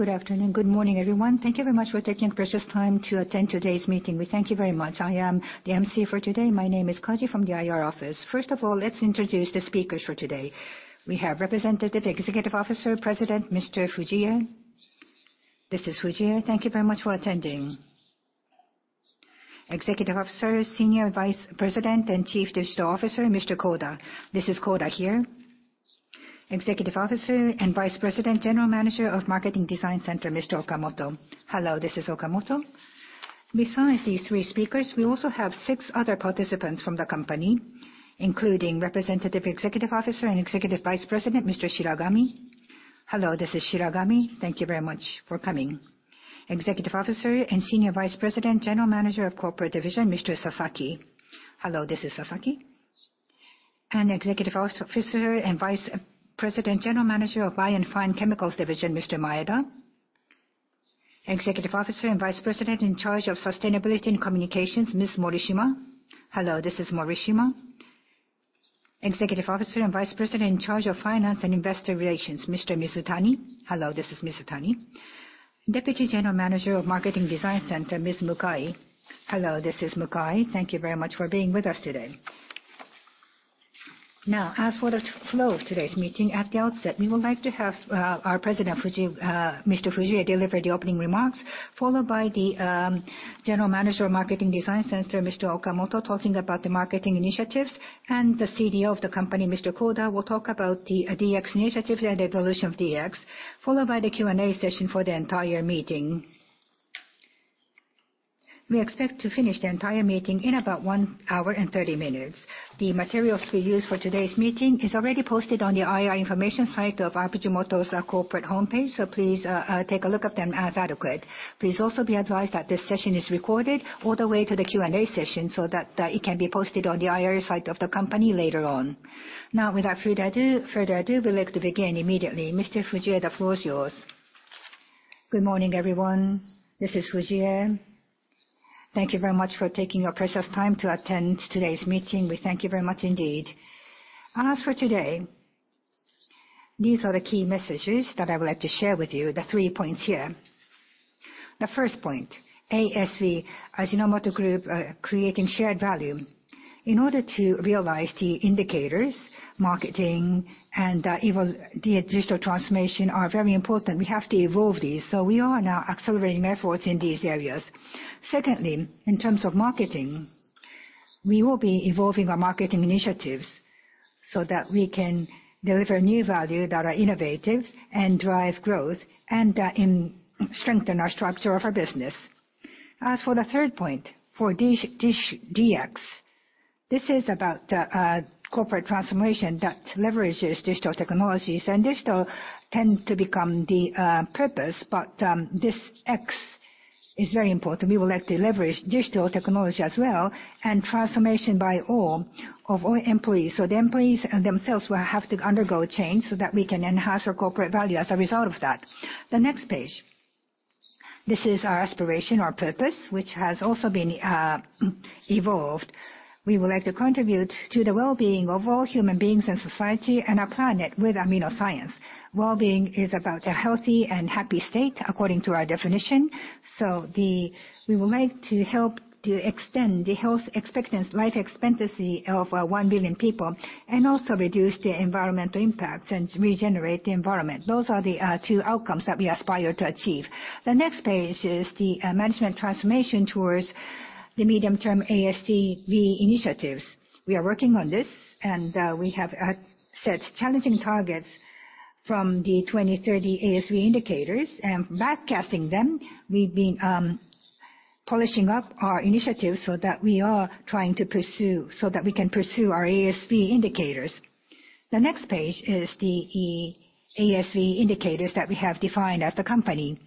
Good afternoon. Good morning, everyone. Thank you very much for taking your precious time to attend today's meeting. We thank you very much. I am the emcee for today. My name is Kaji from the IR office. Let's introduce the speakers for today. We have Representative Executive Officer, President Mr. Fujie. This is Fujie. Thank you very much for attending. Executive Officer, Senior Vice President, and Chief Digital Officer Mr. Koda. This is Koda here. Executive Officer and Vice President, General Manager of Marketing Design Center Mr. Okamoto. Hello, this is Okamoto. Besides these 3 speakers, we also have 6 other participants from the company, including Representative Executive Officer and Executive Vice President Mr. Shiragami. Hello, this is Shiragami. Thank you very much for coming. Executive Officer and Senior Vice President, General Manager of Corporate Division Mr. Sasaki. Hello, this is Sasaki. Executive Officer and Vice President, General Manager of Bio & Fine Chemicals Division Mr. Maeda. Executive Officer and Vice President, In charge of Sustainability and Communications Ms. Morishima. Hello, this is Morishima. Executive Officer and Vice President, In charge of Finance and Investor Relations Mr. Mizutani. Hello, this is Mizutani. Deputy General Manager of Marketing Design Center Ms. Mukai. Hello, this is Mukai. Thank you very much for being with us today. As for the flow of today's meeting, at the outset, we would like to have our President Mr. Fujie deliver the opening remarks, followed by the General Manager of Marketing Design Center Mr. Okamoto, talking about the marketing initiatives. The CDO of the company, Mr. Koda, will talk about the DX initiatives and the evolution of DX, followed by the Q&A session for the entire meeting. We expect to finish the entire meeting in about 1 hour and 30 minutes. The materials we use for today's meeting is already posted on the IR information site of Ajinomoto's corporate homepage, so please take a look at them as adequate. Please also be advised that this session is recorded all the way to the Q&A session, so that it can be posted on the IR site of the company later on. Without further ado, we'd like to begin immediately. Mr. Fujie, the floor is yours. Good morning, everyone. This is Fujie. Thank you very much for taking your precious time to attend today's meeting. We thank you very much indeed. As for today, these are the key messages that I would like to share with you, the 3 points here. The first point, ASV, Ajinomoto Group Creating Shared Value. In order to realize the indicators, marketing and the digital transformation are very important. We have to evolve these. We are now accelerating efforts in these areas. Secondly, in terms of marketing, we will be evolving our marketing initiatives so that we can deliver new value that are innovative and drive growth, and strengthen our structure of our business. As for the 3rd point, for DX, this is about corporate transformation that leverages digital technologies. Digital tends to become the purpose, but this X is very important. We would like to leverage digital technology as well, and transformation by all of our employees. The employees themselves will have to undergo change so that we can enhance our corporate value as a result of that. The next page. This is our aspiration, our purpose, which has also been evolved. We would like to contribute to the well-being of all human beings and society and our planet with amino science. Well-being is about a healthy and happy state according to our definition. We would like to help to extend the health expectancy of 1 billion people, and also reduce the environmental impacts and regenerate the environment. Those are the two outcomes that we aspire to achieve. The next page is the management transformation towards the medium-term ASV initiatives. We are working on this, we have set challenging targets from the 2030 ASV indicators and backcasting them. We've been polishing up our initiatives so that we can pursue our ASV indicators. The next page is the ASV indicators that we have defined as the company.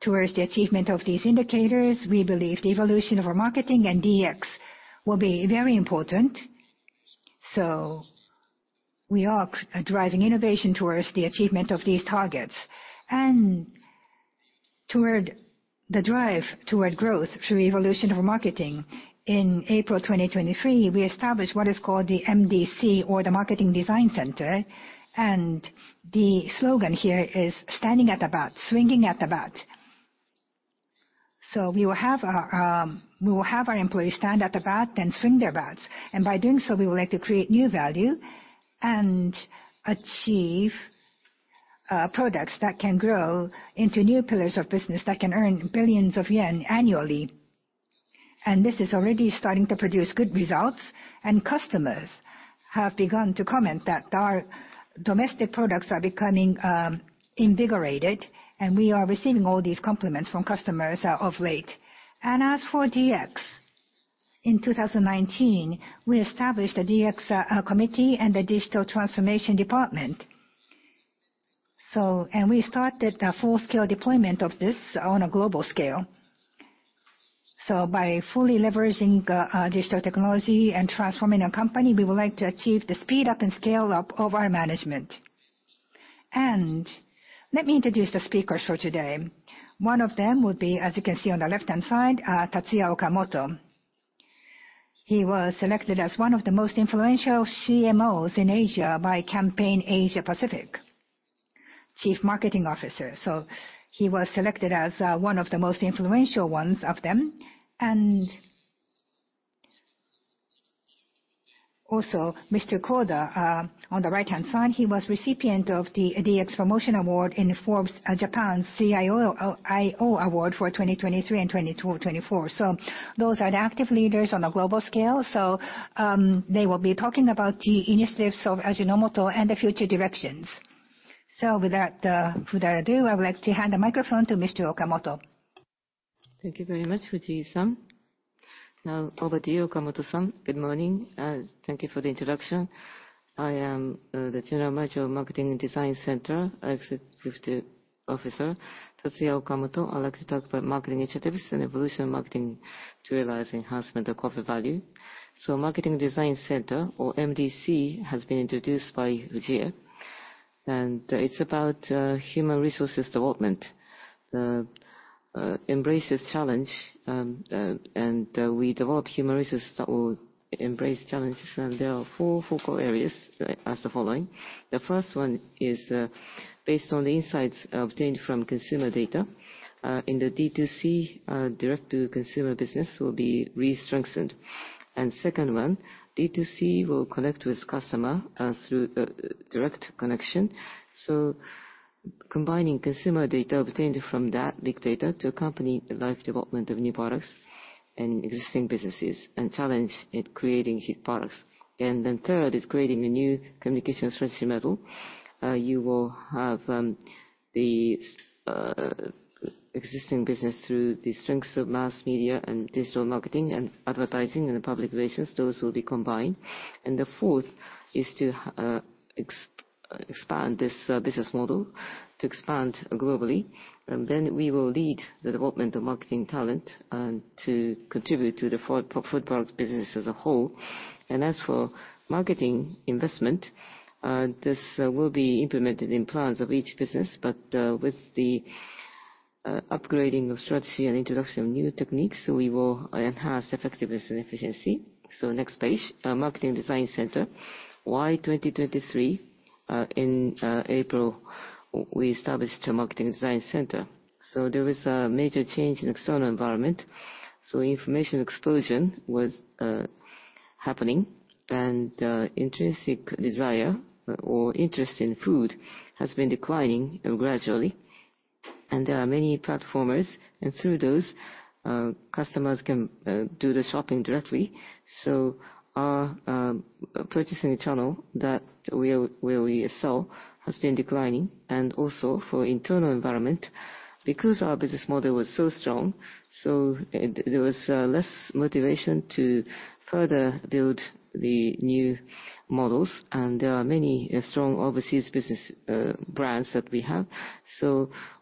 Towards the achievement of these indicators, we believe the evolution of our marketing and DX will be very important. We are driving innovation towards the achievement of these targets. The drive toward growth through evolution of our marketing. In April 2023, we established what is called the MDC or the Marketing Design Center. The slogan here is "Standing at the bat, swinging at the bat." We will have our employees stand at the bat and swing their bats. By doing so, we would like to create new value and achieve products that can grow into new pillars of business that can earn billions of JPY annually. This is already starting to produce good results. Customers have begun to comment that our domestic products are becoming invigorated, we are receiving all these compliments from customers of late. As for DX, in 2019, we established the DX committee and the digital transformation department. We started a full-scale deployment of this on a global scale. By fully leveraging digital technology and transforming our company, we would like to achieve the speed up and scale up of our management. Let me introduce the speakers for today. One of them will be, as you can see on the left-hand side, Tatsuya Okamoto. He was selected as one of the most influential CMOs in Asia by Campaign Asia-Pacific. Chief Marketing Officer. He was selected as one of the most influential ones of them. Also Mr. Koda, on the right-hand side, he was recipient of the DX Promotion Award in Forbes Japan CIO/CDO Award for 2023 and 2024. Those are the active leaders on a global scale. They will be talking about the initiatives of Ajinomoto and the future directions. With that, further ado, I would like to hand the microphone to Mr. Okamoto. Thank you very much, Fujii-san. Now over to you, Okamoto-san. Good morning. Thank you for the introduction. I am the General Manager of Marketing Design Center, Executive Officer Tatsuya Okamoto. I'd like to talk about marketing initiatives and evolution of marketing to realize enhancement of corporate value. Marketing Design Center, or MDC, has been introduced by Fujii, and it's about human resources development. Embraces challenge, we develop human resources that will embrace challenges. There are four focal areas as the following. The first one is based on the insights obtained from consumer data in the D2C, direct-to-consumer business will be re-strengthened. Second one, D2C will connect with customer through direct connection. Combining consumer data obtained from that big data to accompany life development of new products and existing businesses and challenge in creating hit products. Third is creating a new communication strategy model. You will have the existing business through the strengths of mass media and digital marketing and advertising and public relations. Those will be combined. The fourth is to expand this business model to expand globally. We will lead the development of marketing talent and to contribute to the food products business as a whole. As for marketing investment, this will be implemented in plans of each business, but with the upgrading of strategy and introduction of new techniques, we will enhance effectiveness and efficiency. Next page, Marketing Design Center. Why 2023? In April, we established a Marketing Design Center. There was a major change in external environment. Information explosion was happening and intrinsic desire or interest in food has been declining gradually. There are many platformers, and through those, customers can do the shopping directly. Our purchasing channel that where we sell has been declining. Also for internal environment, because our business model was so strong, so there was less motivation to further build the new models. There are many strong overseas business brands that we have.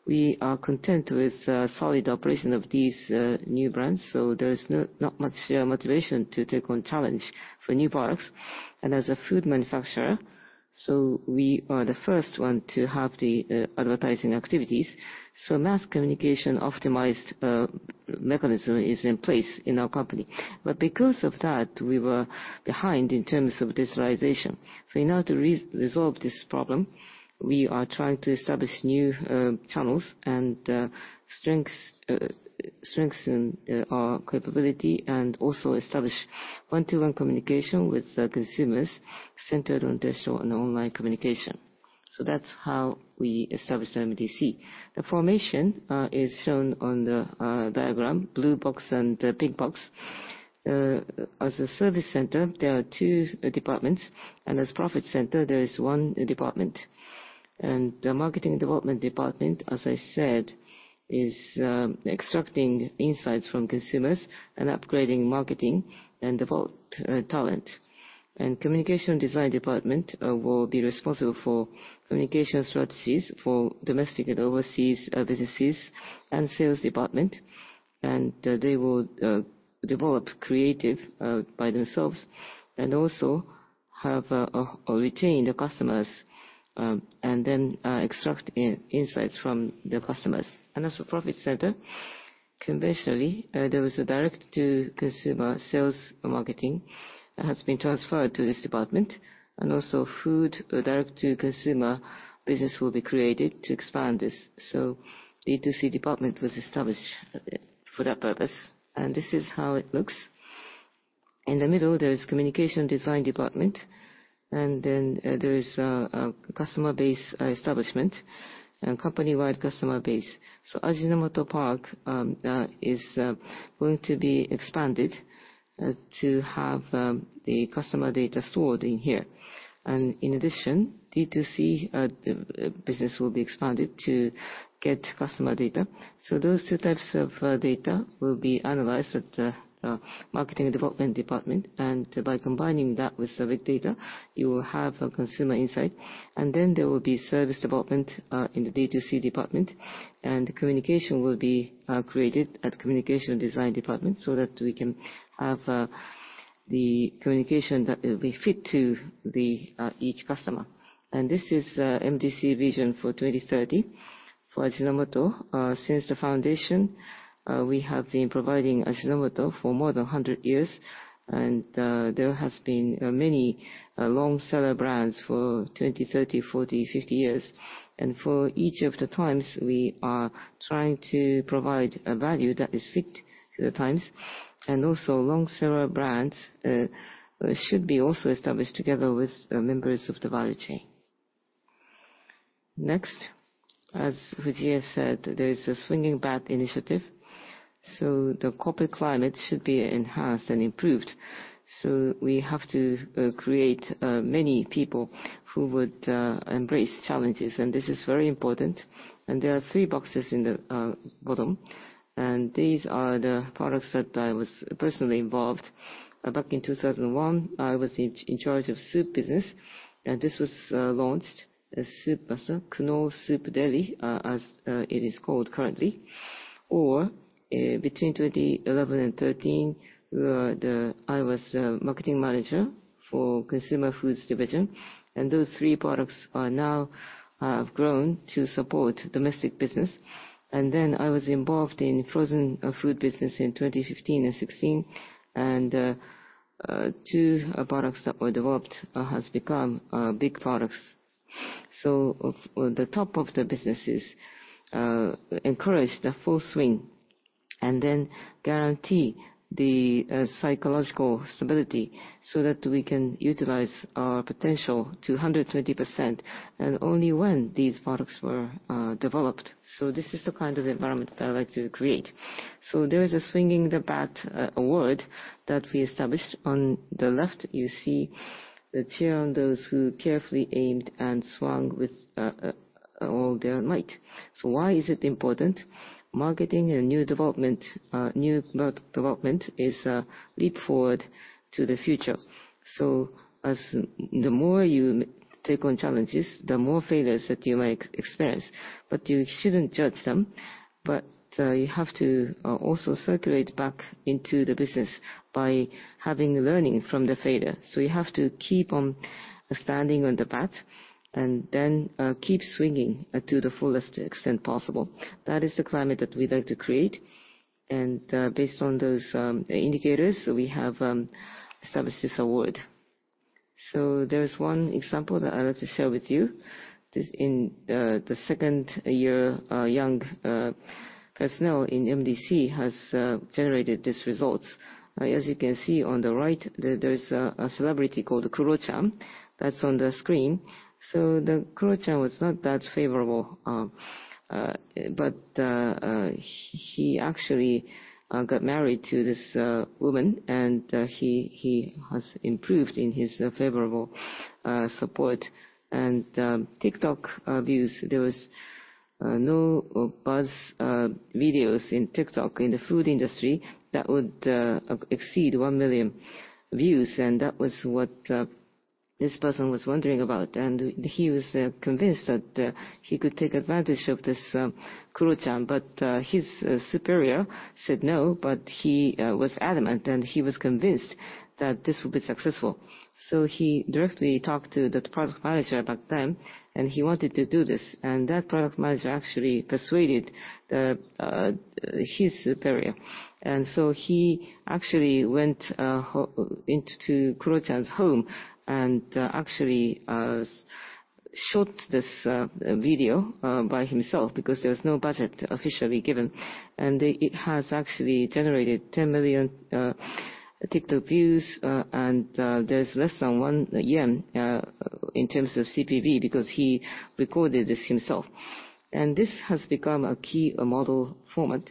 We are content with solid operation of these new brands. There is not much motivation to take on challenge for new products. As a food manufacturer, so we are the first one to have the advertising activities. Mass communication optimized mechanism is in place in our company. Because of that, we were behind in terms of digitalization. In order to resolve this problem, we are trying to establish new channels and strengthen our capability and also establish one-to-one communication with consumers centered on digital and online communication. That's how we established the MDC. The formation is shown on the diagram, blue box and pink box. As a service center, there are two departments, as profit center, there is one department. The Marketing Development Department, as I said, is extracting insights from consumers and upgrading marketing and develop talent. Communication Design Department will be responsible for communication strategies for domestic and overseas businesses and sales department. They will develop creative by themselves and also retain the customers and then extract insights from the customers. As a profit center, conventionally, there was a direct-to-consumer sales marketing that has been transferred to this department, also food direct-to-consumer business will be created to expand this. D2C department was established for that purpose, and this is how it looks. In the middle, there is Communication Design Department, there is a customer base establishment and company-wide customer base. AJINOMOTO PARK is going to be expanded to have the customer data stored in here. In addition, D2C business will be expanded to get customer data. Those two types of data will be analyzed at the Marketing Design Center. By combining that with the big data, you will have consumer insight. There will be service development in the D2C department, and communication will be created at Communication Design Department so that we can have the communication that will be fit to each customer. This is MDC vision for 2030. For Ajinomoto, since the foundation, we have been providing Ajinomoto for more than 100 years, and there has been many long seller brands for 20, 30, 40, 50 years. For each of the times, we are trying to provide a value that is fit to the times. Also long seller brands should be also established together with members of the value chain. Next, as Fujie said, there is a Swinging the Bat initiative. The corporate climate should be enhanced and improved. We have to create many people who would embrace challenges, and this is very important. There are 3 boxes in the bottom, and these are the products that I was personally involved. Back in 2001, I was in charge of soup business, and this was launched as Soup Master Knorr Soup Deli, as it is called currently. Between 2011 and 2013, I was marketing manager for consumer foods division, and those 3 products are now have grown to support domestic business. I was involved in frozen food business in 2015 and 2016, and 2 products that were developed has become big products. The top of the businesses encourage the full swing and then guarantee the psychological stability so that we can utilize our potential to 120% and only when these products were developed. This is the kind of environment that I like to create. There is a Swinging the Bat award that we established. On the left, you see the cheer on those who carefully aimed and swung with all their might. Why is it important? Marketing and new product development is a leap forward to the future. As the more you take on challenges, the more failures that you might experience, but you shouldn't judge them. You have to also circulate back into the business by having learning from the failure. You have to keep on standing on the bat and then keep swinging to the fullest extent possible. That is the climate that we like to create. Based on those indicators, we have established this award. There is one example that I'd like to share with you. In the second year, a young personnel in MDC has generated this result. As you can see on the right, there is a celebrity called Kuro-chan that's on the screen. The Kuro-chan was not that favorable, but he actually got married to this woman, and he has improved in his favorable support. TikTok views, there was no buzz videos in TikTok in the food industry that would exceed 1 million views, and that was what this person was wondering about. He was convinced that he could take advantage of this Kuro-chan, but his superior said no, but he was adamant, and he was convinced that this would be successful. He directly talked to that product manager back then, he wanted to do this. That product manager actually persuaded his superior. He actually went into Kuro-chan's home and actually shot this video by himself because there was no budget officially given. It has actually generated 10 million TikTok views, there is less than one JPY in terms of CPV because he recorded this himself. This has become a key model format.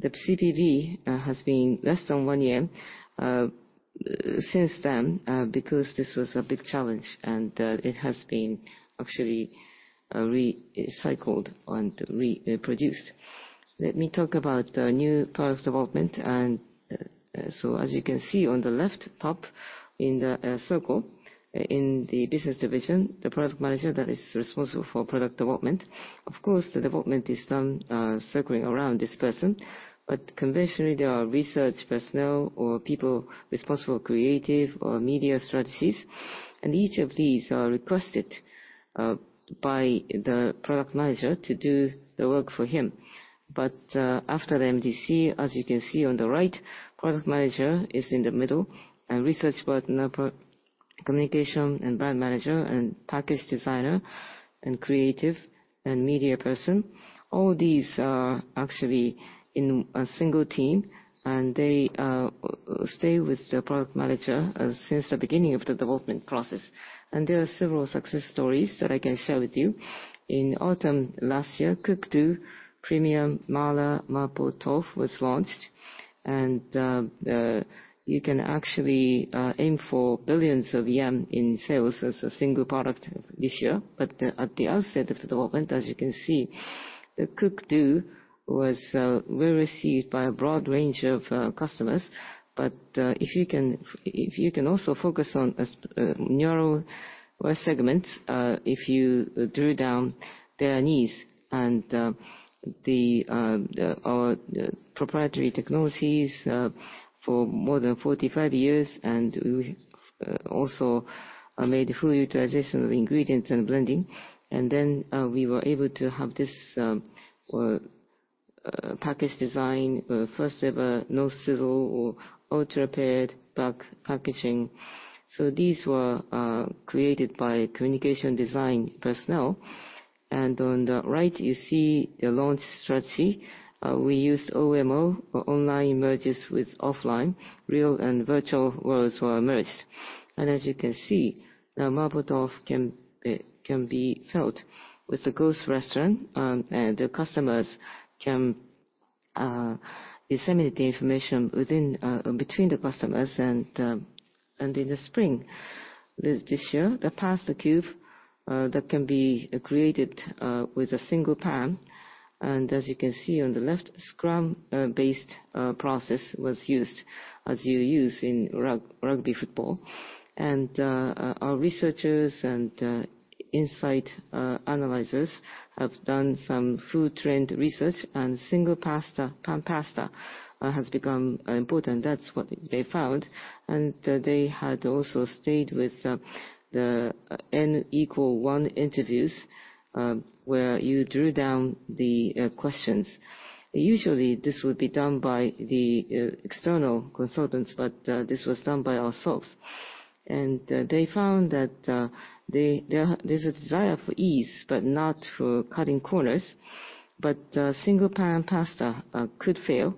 The CPV has been less than one JPY since then because this was a big challenge, and it has been actually recycled and reproduced. Let me talk about new product development. As you can see on the left top in the circle in the business division, the product manager that is responsible for product development. Of course, the development is done circling around this person, conventionally, there are research personnel or people responsible creative or media strategies, each of these are requested by the product manager to do the work for him. After the MDC, as you can see on the right, product manager is in the middle, research partner, communication and brand manager, package designer, creative and media person, all these are actually in a single team. They stay with the product manager since the beginning of the development process. There are several success stories that I can share with you. In autumn last year, Cook Do® Premium Mala Mapo Tofu was launched, you can actually aim for billions of JPY in sales as a single product this year. At the outset of development, as you can see, the Cook Do® was well received by a broad range of customers. If you can also focus on narrower segments, if you drill down their needs and our proprietary technologies for more than 45 years, we also made full utilization of ingredients and blending, we were able to have this package design, first ever no sizzle or ultra paired back packaging. These were created by communication design personnel. On the right, you see the launch strategy. We use OMO, or online merges with offline. Real and virtual worlds were merged. As you can see, the Mapo Tofu can be felt with the ghost restaurant, the customers can disseminate the information between the customers. In the spring this year, the Pasta Cube that can be created with a single pan. As you can see on the left, scrum-based process was used as you use in rugby football. Our researchers and insight analyzers have done some food trend research, single pan pasta has become important. That is what they found. They had also stayed with the N equal one interviews, where you drilled down the questions. Usually, this would be done by the external consultants, this was done by ourselves. They found that there is a desire for ease, not for cutting corners. Single pan pasta could fail,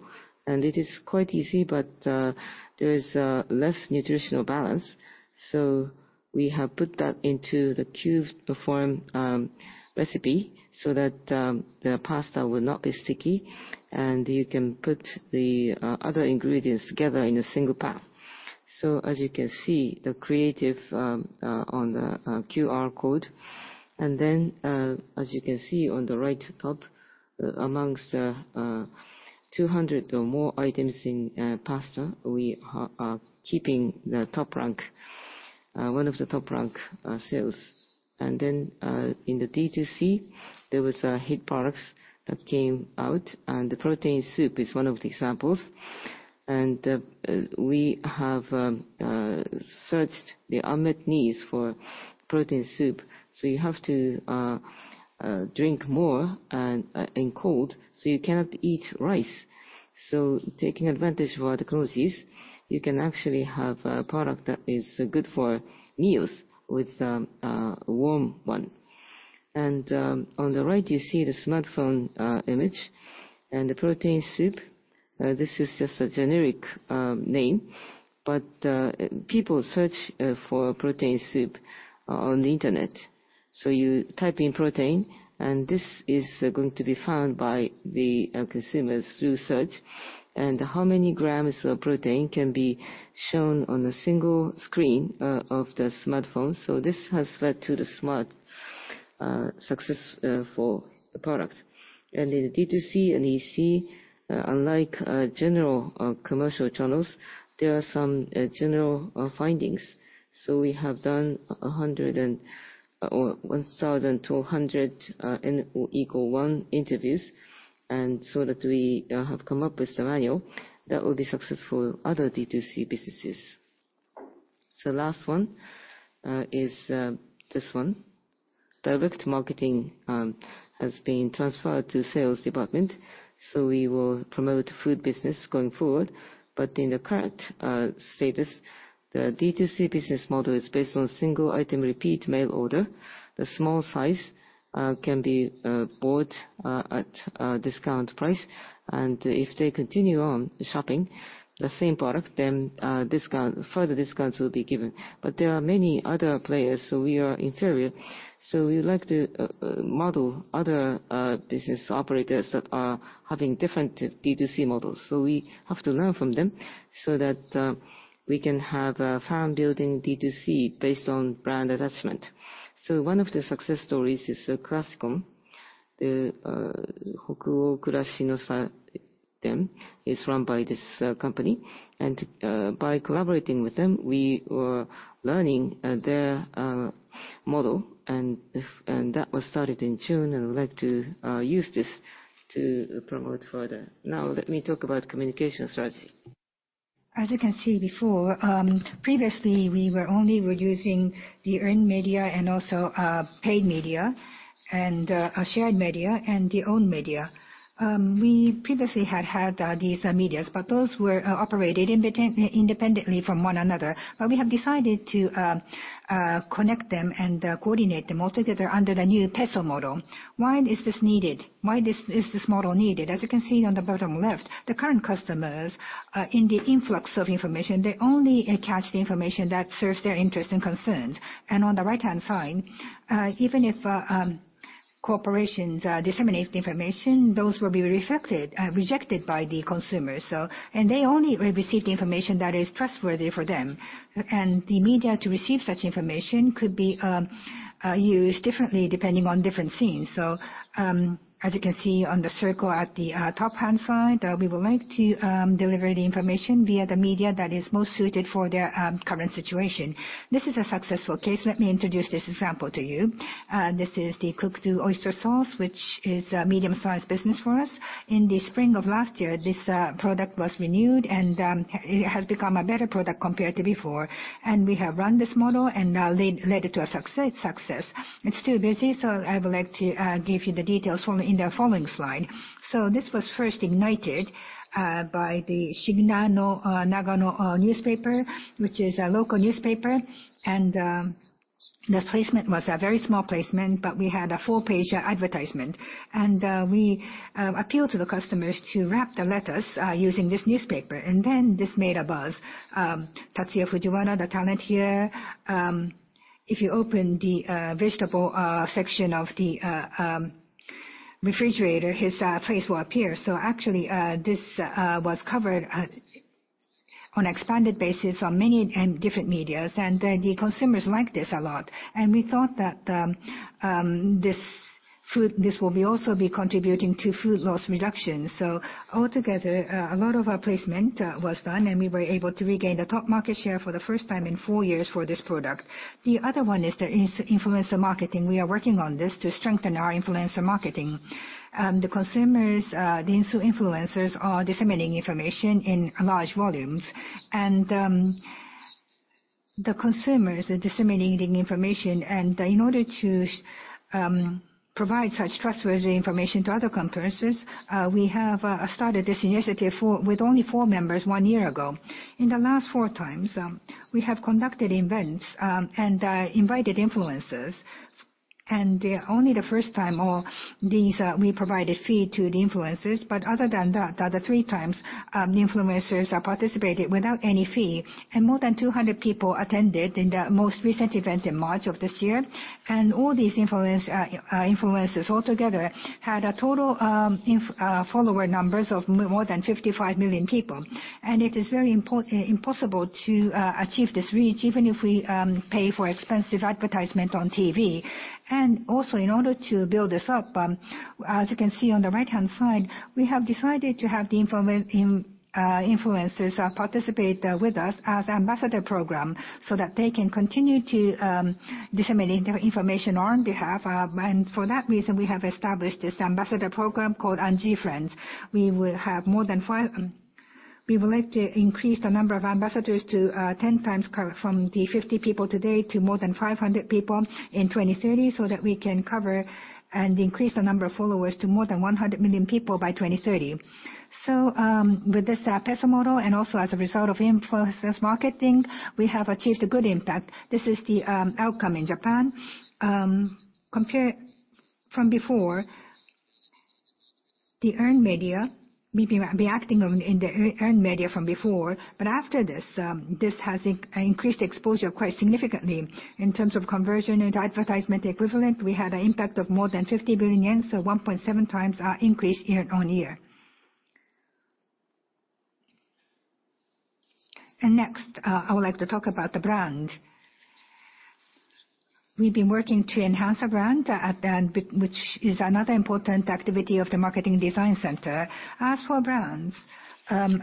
it is quite easy, there is less nutritional balance. We have put that into the cubed form recipe so that the pasta will not be sticky, you can put the other ingredients together in a single pan. As you can see, the creative on the QR code. As you can see on the right top, amongst the 200 or more items in pasta, we are keeping one of the top-rank sales. In the D2C, there was hit products that came out. The Protein Soup is one of the examples. We have searched the unmet needs for Protein Soup. You have to drink more in cold, so you cannot eat rice. Taking advantage of our technologies, you can actually have a product that is good for meals with a warm one. On the right, you see the smartphone image and the Protein Soup. This is just a generic name, but people search for Protein Soup on the internet. You type in protein, and this is going to be found by the consumers through search. How many grams of protein can be shown on a single screen of the smartphone. This has led to the smart success for the product. In D2C and EC, unlike general commercial channels, there are some general findings. We have done 1,200 N equal one interviews, so that we have come up with the manual that will be successful other D2C businesses. Last one is this one. Direct marketing has been transferred to sales department. We will promote food business going forward. In the current status, the D2C business model is based on single item repeat mail order. The small size can be bought at a discount price. If they continue on shopping the same product, then further discounts will be given. There are many other players, so we are inferior. We like to model other business operators that are having different D2C models. We have to learn from them so that we can have a firm building D2C based on brand attachment. One of the success stories is Classicon. The Hokuro Kurashino system is run by this company, and by collaborating with them, we were learning their model, that was started in June, we'd like to use this to promote further. Let me talk about communication strategy. As you can see before, previously, we were only using the earned media and also paid media, and shared media, and the owned media. We previously had these medias, but those were operated independently from one another. We have decided to connect them and coordinate them all together under the new PESO model. Why is this needed? Why is this model needed? As you can see on the bottom left, the current customers, in the influx of information, they only attach the information that serves their interests and concerns. On the right-hand side, even if corporations disseminate the information, those will be rejected by the consumers. They only receive the information that is trustworthy for them. The media to receive such information could be used differently depending on different scenes. As you can see on the circle at the top-hand side, we would like to deliver the information via the media that is most suited for their current situation. This is a successful case. Let me introduce this example to you. This is the Cook Do Oyster Sauce, which is a medium-sized business for us. In the spring of last year, this product was renewed, and it has become a better product compared to before. We have run this model and led it to a success. It is too busy, I would like to give you the details in the following slide. This was first ignited by the Shinano Mainichi Shimbun, which is a local newspaper. The placement was a very small placement, but we had a four-page advertisement. We appealed to the customers to wrap the lettuce using this newspaper, this made a buzz. Tatsuya Fujiwara, the talent here, if you open the vegetable section of the refrigerator, his face will appear. Actually, this was covered on an expanded basis on many and different media, the consumers liked this a lot. We thought that this will also be contributing to food loss reduction. Altogether, a lot of our placement was done, we were able to regain the top market share for the first time in four years for this product. The other one is the influencer marketing. We are working on this to strengthen our influencer marketing. The influencers are disseminating information in large volumes, the consumers are disseminating information. In order to provide such trustworthy information to other consumers, we have started this initiative with only four members one year ago. In the last four times, we have conducted events and invited influencers. Only the first time, we provided fee to the influencers, but other than that, the other three times, the influencers participated without any fee. More than 200 people attended in the most recent event in March of this year. All these influencers altogether had a total follower numbers of more than 55 million people. It is very impossible to achieve this reach even if we pay for expensive advertisement on TV. Also, in order to build this up, as you can see on the right-hand side, we have decided to have the influencers participate with us as ambassador program so that they can continue to disseminate information on behalf. For that reason, we have established this ambassador program called AJ Friends. We would like to increase the number of ambassadors to 10 times from the 50 people today to more than 500 people in 2030, so that we can cover and increase the number of followers to more than 100 million people by 2030. With this PESO model, and also as a result of influencers marketing, we have achieved a good impact. This is the outcome in Japan. From before, the earned media, we have been reacting in the earned media from before, but after this has increased exposure quite significantly. In terms of conversion and advertisement equivalent, we had an impact of more than 50 billion yen, 1.7 times our increase year-on-year. Next, I would like to talk about the brand. We've been working to enhance our brand, which is another important activity of the Marketing Design Center. As for brands,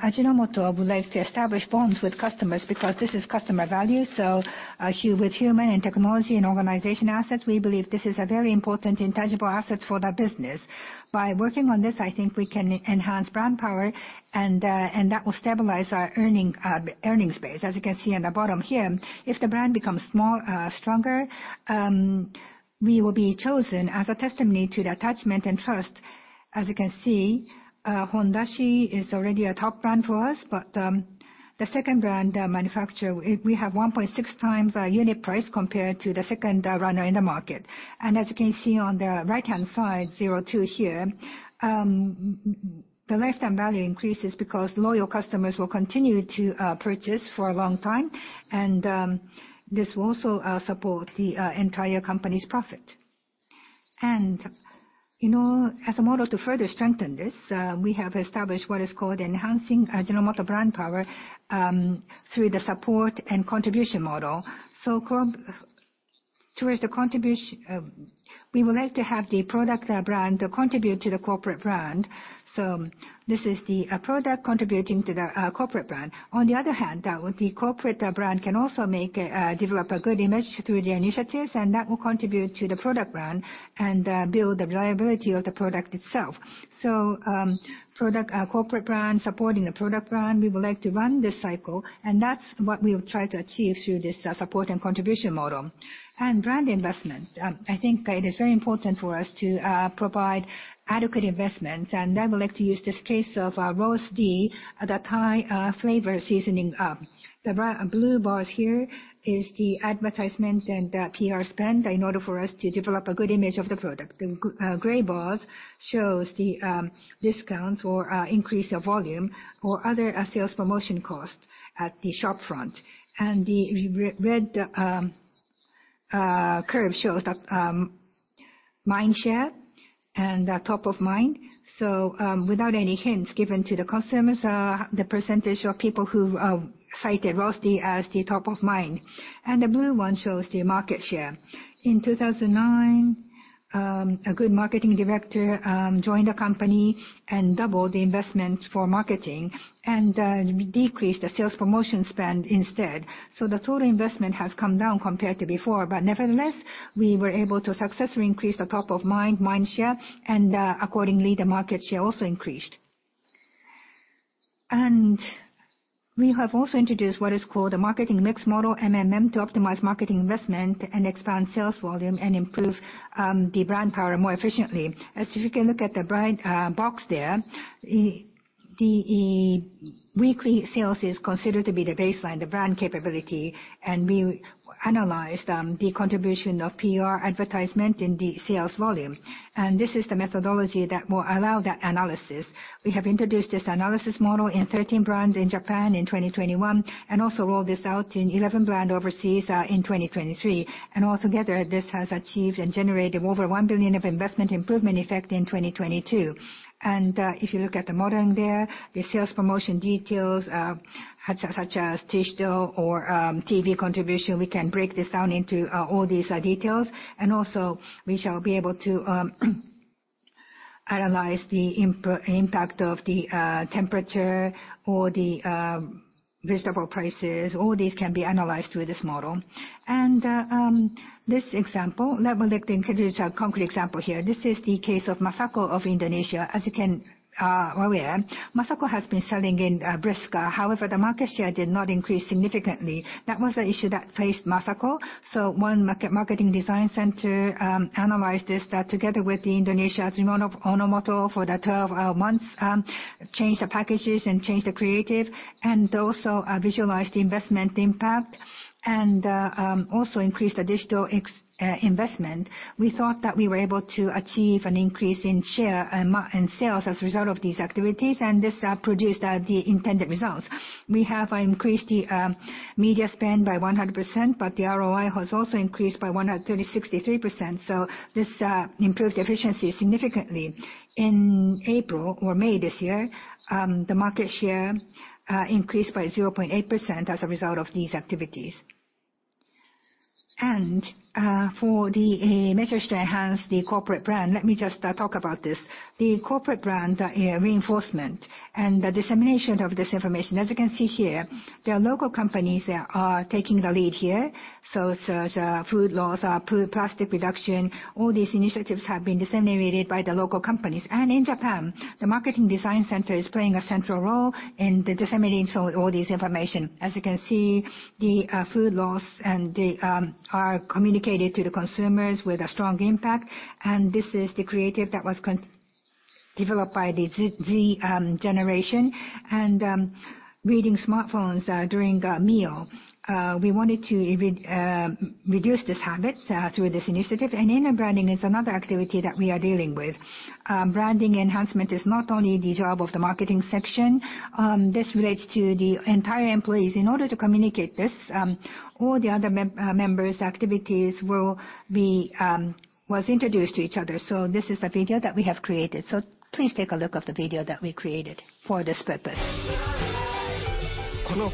Ajinomoto would like to establish bonds with customers because this is customer value. With human and technology and organization assets, we believe this is a very important intangible asset for the business. By working on this, I think we can enhance brand power, and that will stabilize our earning space. If the brand becomes stronger, we will be chosen as a testimony to the attachment and trust. HONDASHI is already a top brand for us, but the second brand manufacturer, we have 1.6 times our unit price compared to the second runner in the market. As you can see on the right-hand side, 02 here, the lifetime value increases because loyal customers will continue to purchase for a long time, and this will also support the entire company's profit. As a model to further strengthen this, we have established what is called enhancing Ajinomoto brand power through the support and contribution model. Towards the contribution, we would like to have the product brand contribute to the corporate brand. This is the product contributing to the corporate brand. On the other hand, the corporate brand can also develop a good image through the initiatives, and that will contribute to the product brand and build the viability of the product itself. Corporate brand supporting the product brand, we would like to run this cycle, and that's what we will try to achieve through this support and contribution model. Brand investment, I think it is very important for us to provide adequate investment, and I would like to use this case of Ros Dee, the Thai flavor seasoning. The blue bars here is the advertisement and PR spend in order for us to develop a good image of the product. The gray bars shows the discounts or increase of volume or other sales promotion cost at the shopfront. The red curve shows the mind share and top of mind. Without any hints given to the consumers, the percentage of people who cited Ros Dee as the top of mind. The blue one shows the market share. In 2009, a good marketing director joined the company and doubled the investment for marketing, and we decreased the sales promotion spend instead. The total investment has come down compared to before, but nevertheless, we were able to successfully increase the top of mind share, and accordingly, the market share also increased. We have also introduced what is called a marketing mix model, MMM, to optimize marketing investment and expand sales volume and improve the brand power more efficiently. The weekly sales is considered to be the baseline, the brand capability, and we analyzed the contribution of PR advertisement in the sales volume. This is the methodology that will allow that analysis. We have introduced this analysis model in 13 brands in Japan in 2021, and also rolled this out in 11 brands overseas in 2023. Altogether, this has achieved and generated over 1 billion of investment improvement effect in 2022. If you look at the modeling there, the sales promotion details such as digital or TV contribution, we can break this down into all these details. We shall be able to analyze the impact of the temperature or the vegetable prices. All these can be analyzed with this model. This example. Let me introduce a concrete example here. This is the case of Masako® of Indonesia. As you are well aware, Masako® has been selling in Brisca. The market share did not increase significantly. That was the issue that faced Masako®. One Marketing Design Center analyzed this, that together with PT Ajinomoto Indonesia for the 12 months, changed the packages and changed the creative, and also visualized the investment impact, and also increased the digital investment. We thought that we were able to achieve an increase in share and sales as a result of these activities, and this produced the intended results. We have increased the media spend by 100%, the ROI has also increased by 136.3%, this improved efficiency significantly. In April or May this year, the market share increased by 0.8% as a result of these activities. For the measures to enhance the corporate brand, let me just talk about this. The corporate brand reinforcement and the dissemination of this information. As you can see here, the local companies are taking the lead here. Such food loss, plastic reduction, all these initiatives have been disseminated by the local companies. In Japan, the Marketing Design Center is playing a central role in disseminating all this information. As you can see, the food loss are communicated to the consumers with a strong impact. This is the creative that was developed by the Z generation, and reading smartphones during a meal. We wanted to reduce this habit through this initiative. Inner branding is another activity that we are dealing with. Branding enhancement is not only the job of the marketing section. This relates to the entire employees. In order to communicate this, all the other members' activities was introduced to each other. This is the video that we have created. Please take a look at the video that we created for this purpose. This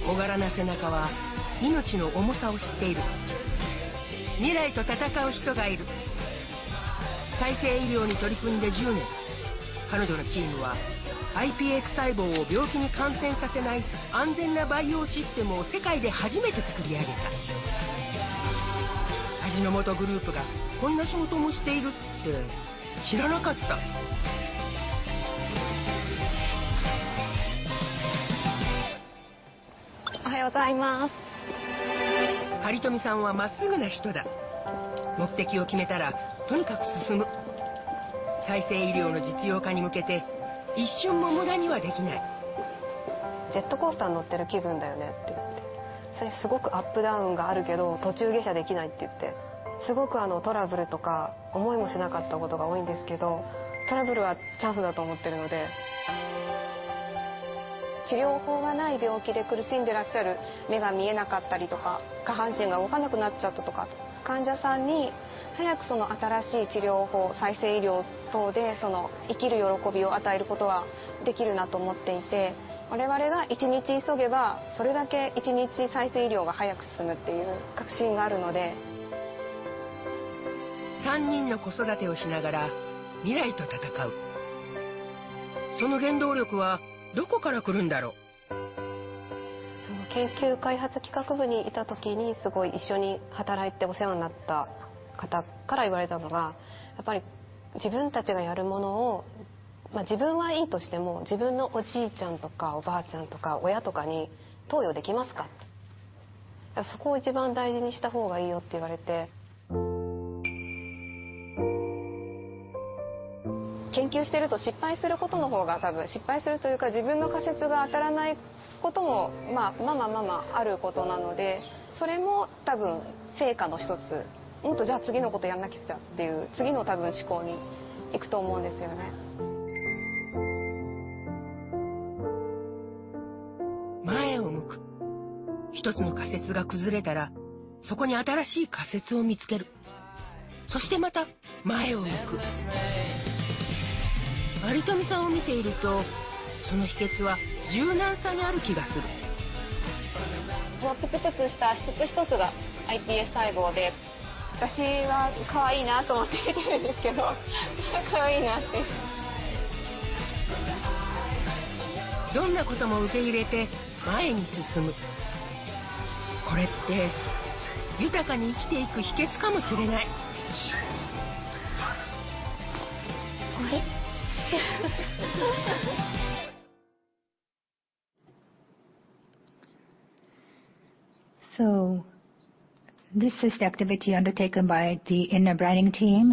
is the activity undertaken by the inner branding team.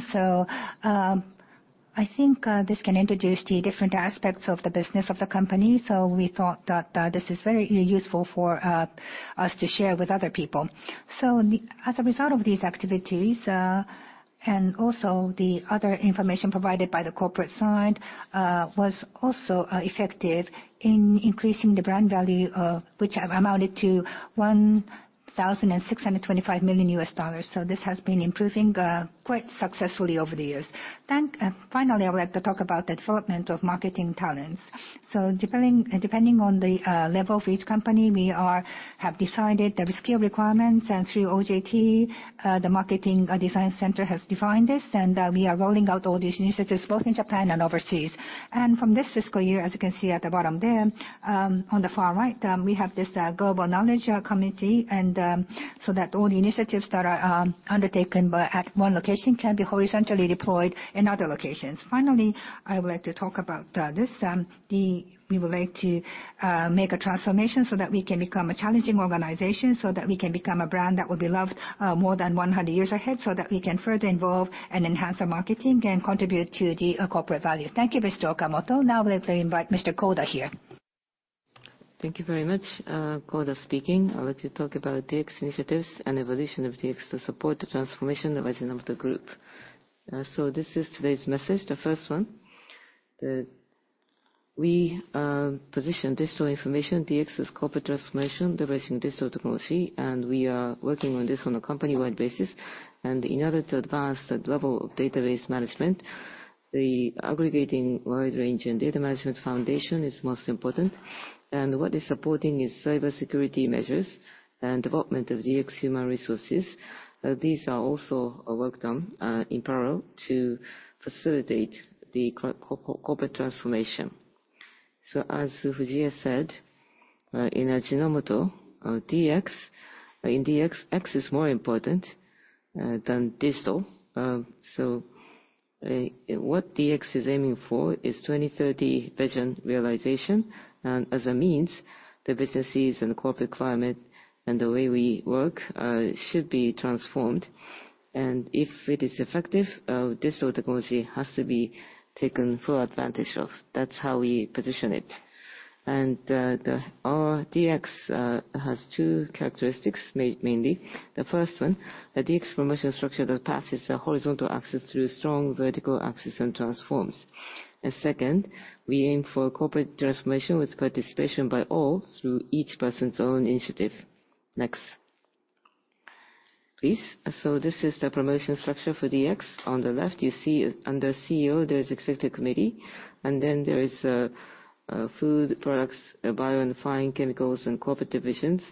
I think this can introduce the different aspects of the business of the company. We thought that this is very useful for us to share with other people. As a result of these activities, and also the other information provided by the corporate side, was also effective in increasing the brand value, which amounted to $1,625 million USD. This has been improving quite successfully over the years. Finally, I would like to talk about the development of marketing talents. Depending on the level of each company, we have decided the skill requirements. Through OJT, the Marketing Design Center has defined this, and we are rolling out all these initiatives both in Japan and overseas. From this fiscal year, as you can see at the bottom there, on the far right, we have this global knowledge committee. That all the initiatives that are undertaken at one location can be horizontally deployed in other locations. Finally, I would like to talk about this. We would like to make a transformation so that we can become a challenging organization, so that we can become a brand that will be loved more than 100 years ahead, so that we can further involve and enhance our marketing, contribute to the corporate value. Thank you, Mr. Okamoto. Now we'd like to invite Mr. Koda here. Thank you very much. Koda speaking. I would like to talk about DX initiatives and evolution of DX to support the transformation of Ajinomoto Group. This is today's message. The first one, we position digital information, DX as corporate transformation, leveraging digital technology, we are working on this on a company-wide basis. In order to advance that level of database management, the aggregating wide-ranging data management foundation is most important. What is supporting is cybersecurity measures and development of DX human resources. These are also worked on in parallel to facilitate the corporate transformation. As Fujie said, in Ajinomoto, in DX, X is more important than digital. What DX is aiming for is 2030 vision realization. As a means, the businesses and the corporate climate, and the way we work should be transformed. If it is effective, digital technology has to be taken full advantage of. That's how we position it. Our DX has two characteristics, mainly. The first one, a DX promotion structure that passes the horizontal axis through strong vertical axis and transforms. Second, we aim for corporate transformation with participation by all through each person's own initiative. Next, please. This is the promotion structure for DX. On the left, you see under CEO, there is executive committee. There is Food Products, Bio and Fine Chemicals, and corporate divisions.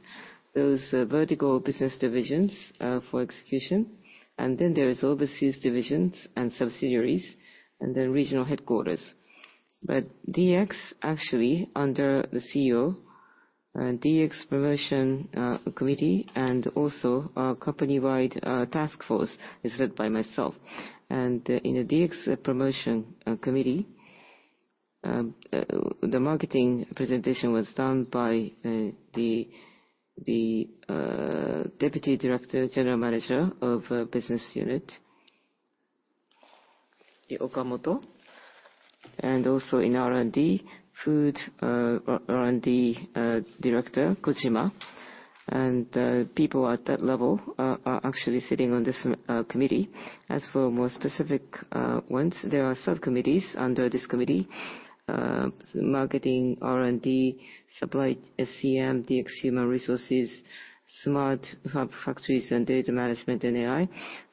Those vertical business divisions are for execution. There is overseas divisions and subsidiaries, and regional headquarters. DX, actually, under the CEO, DX promotion committee and also our company-wide task force is led by myself. In the DX promotion committee, the marketing presentation was done by the deputy director, general manager of business unit, Okamoto, and also in R&D, food R&D director, Kojima. People at that level are actually sitting on this committee. As for more specific ones, there are sub-committees under this committee. Marketing, R&D, supply, SCM, DX human resources, smart hub factories, data management and AI.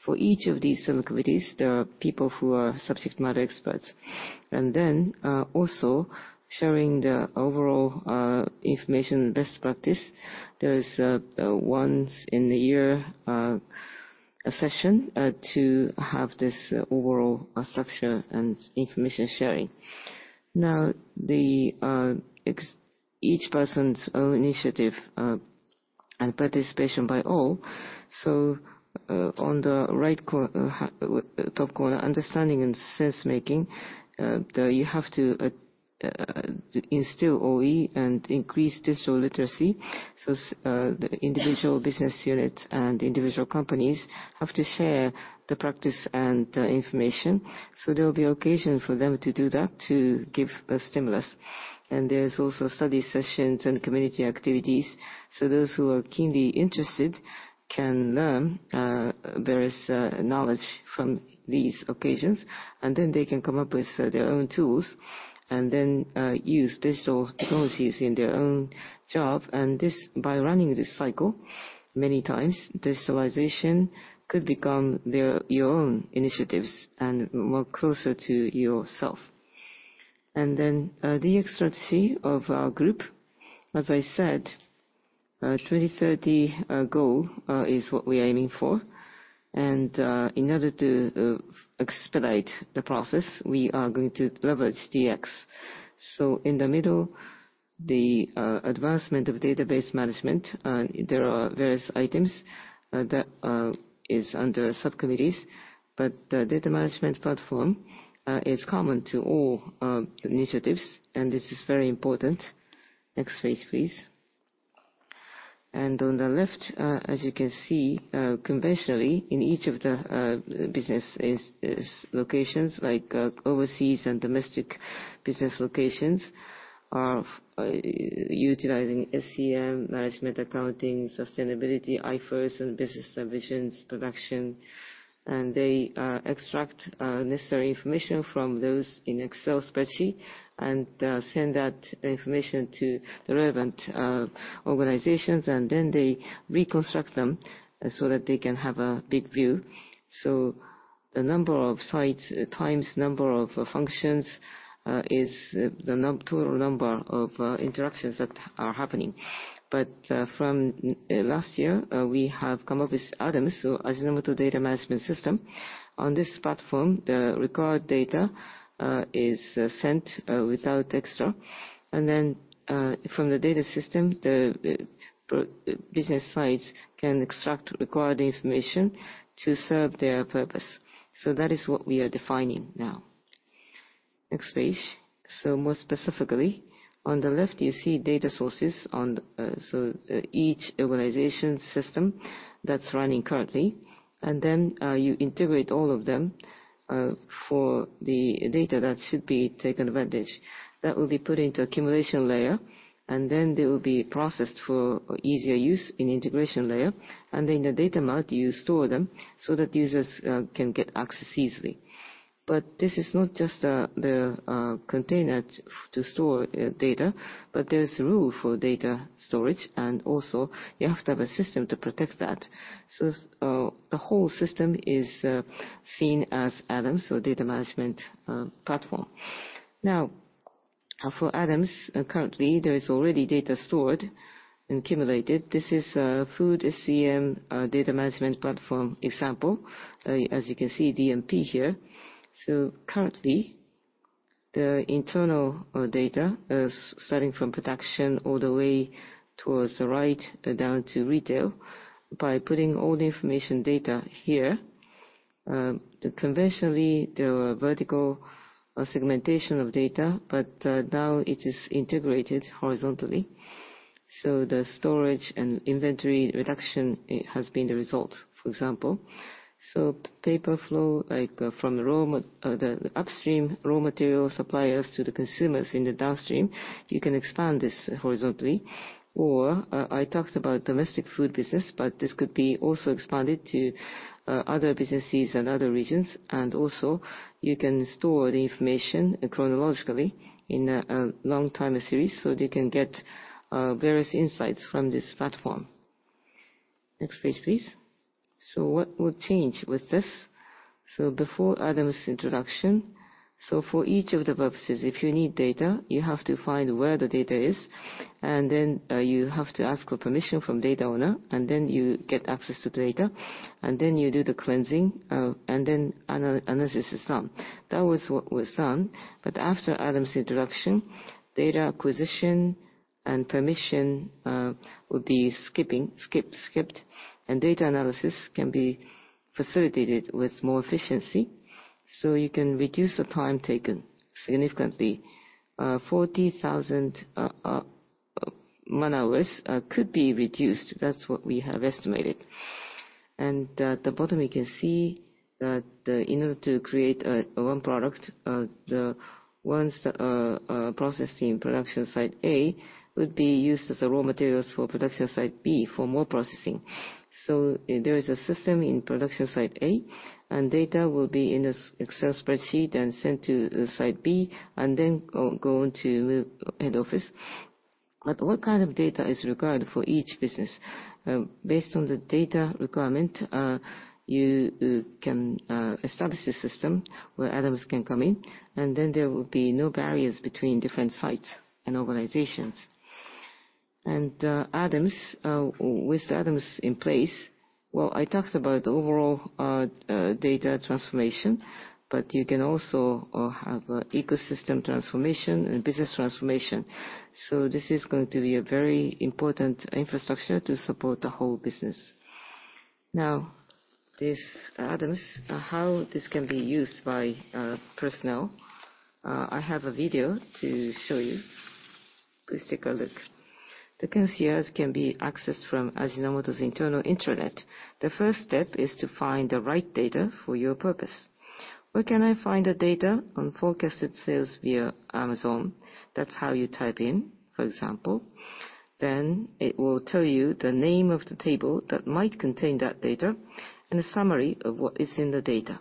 For each of these sub-committees, there are people who are subject matter experts. Also sharing the overall information best practice. There is a once in a year session to have this overall structure and information sharing. Now, each person's own initiative and participation by all. On the top right corner, understanding and sense making, you have to instill OE and increase digital literacy. The individual business units and individual companies have to share the practice and information. There will be an occasion for them to do that, to give a stimulus. There is also study sessions and community activities. Those who are keenly interested can learn various knowledge from these occasions, then they can come up with their own tools and then use digital technologies in their own job. By running this cycle many times, digitalization could become your own initiatives and more closer to yourself. The DX strategy of our group. As I said, the 2030 goal is what we are aiming for. In order to expedite the process, we are going to leverage DX. In the middle, the advancement of database management, there are various items that are under sub-committees. The data management platform is common to all initiatives, and this is very important. Next page, please. On the left, as you can see, conventionally, in each of the business locations, like overseas and domestic business locations, are utilizing SCM, management accounting, sustainability, IFRS, and business divisions production. They extract necessary information from those in Excel spreadsheet and send that information to the relevant organizations, then they reconstruct them so that they can have a big view. The number of sites times number of functions is the total number of interactions that are happening. From last year, we have come up with ADAMS, Ajinomoto Data Management System. On this platform, the required data is sent without extra. From the data system, the business sites can extract required information to serve their purpose. That is what we are defining now. Next page. You integrate all of them for the data that should be taken advantage. That will be put into accumulation layer, then they will be processed for easier use in integration layer. In the data mart, you store them so that users can get access easily. This is not just the container to store data, but there is room for data storage, and also you have to have a system to protect that. The whole system is seen as ADAMS, data management platform. For ADAMS, currently, there is already data stored and accumulated. This is a food SCM data management platform example, as you can see DMP here. Currently, the internal data is starting from production all the way towards the right down to retail. Putting all the information data here, conventionally, there were vertical segmentation of data, now it is integrated horizontally. The storage and inventory reduction has been the result, for example. Paper flow, like from the upstream raw material suppliers to the consumers in the downstream, you can expand this horizontally. I talked about domestic food business, this could be also expanded to other businesses and other regions. You can store the information chronologically in a long time series so that you can get various insights from this platform. Next page, please. What will change with this? Before ADAMS introduction, for each of the purposes, if you need data, you have to find where the data is, and then you have to ask for permission from data owner, and then you get access to data, and then you do the cleansing, and then analysis is done. That was what was done. After ADAMS introduction, data acquisition and permission will be skipped, and data analysis can be facilitated with more efficiency. You can reduce the time taken significantly. 40,000 man-hours could be reduced. That's what we have estimated. At the bottom you can see that in order to create one product, the ones that are processed in production site A would be used as raw materials for production site B for more processing. There is a system in production site A, and data will be in this Excel spreadsheet and sent to site B, then go on to head office. What kind of data is required for each business? Based on the data requirement, you can establish a system where ADAMS can come in, there will be no barriers between different sites and organizations. With ADAMS in place, well, I talked about overall data transformation, you can also have ecosystem transformation and business transformation. This is going to be a very important infrastructure to support the whole business. This ADAMS, how this can be used by personnel. I have a video to show you. Please take a look. The concierge can be accessed from Ajinomoto's internal internet. The first step is to find the right data for your purpose. Where can I find the data on forecasted sales via Amazon? That's how you type in, for example. It will tell you the name of the table that might contain that data and a summary of what is in the data.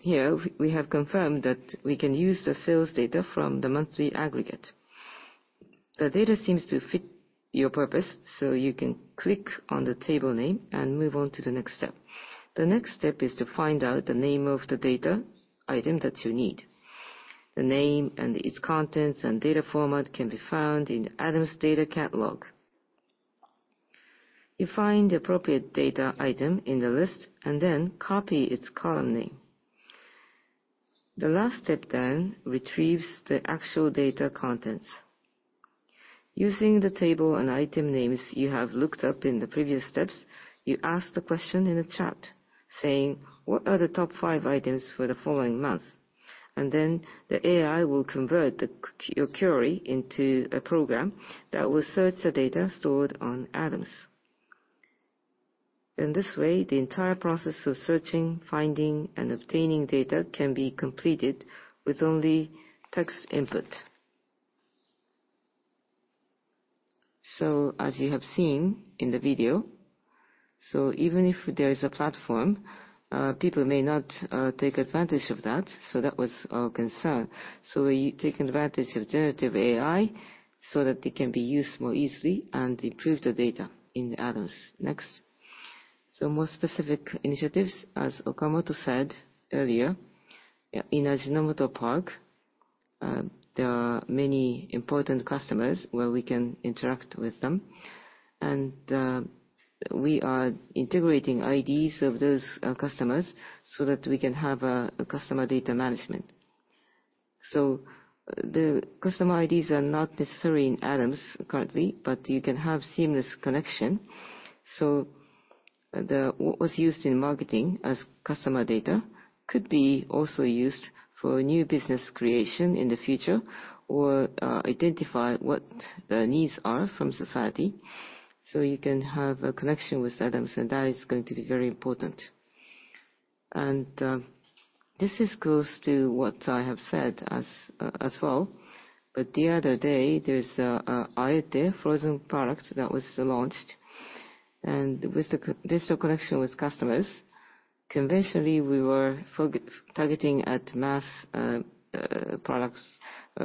Here, we have confirmed that we can use the sales data from the monthly aggregate. The data seems to fit your purpose, you can click on the table name and move on to the next step. The next step is to find out the name of the data item that you need. The name and its contents and data format can be found in the ADAMS data catalog. You find the appropriate data item in the list and copy its column name. The last step retrieves the actual data contents. Using the table and item names you have looked up in the previous steps, you ask the question in the chat Saying, "What are the top five items for the following month?" The AI will convert your query into a program that will search the data stored on ADAMS. In this way, the entire process of searching, finding, and obtaining data can be completed with only text input. As you have seen in the video, even if there is a platform, people may not take advantage of that was our concern. We take advantage of generative AI so that it can be used more easily and improve the data in the ADAMS. Next. More specific initiatives, as Okamoto said earlier, in AJINOMOTO PARK, there are many important customers where we can interact with them. We are integrating IDs of those customers so that we can have customer data management. The customer IDs are not necessarily in ADAMS currently, but you can have seamless connection. What was used in marketing as customer data could be also used for new business creation in the future or identify what the needs are from society. You can have a connection with ADAMS, and that is going to be very important. This is close to what I have said as well, but the other day, there's an ayote frozen product that was launched. With the digital connection with customers, conventionally, we were targeting at mass products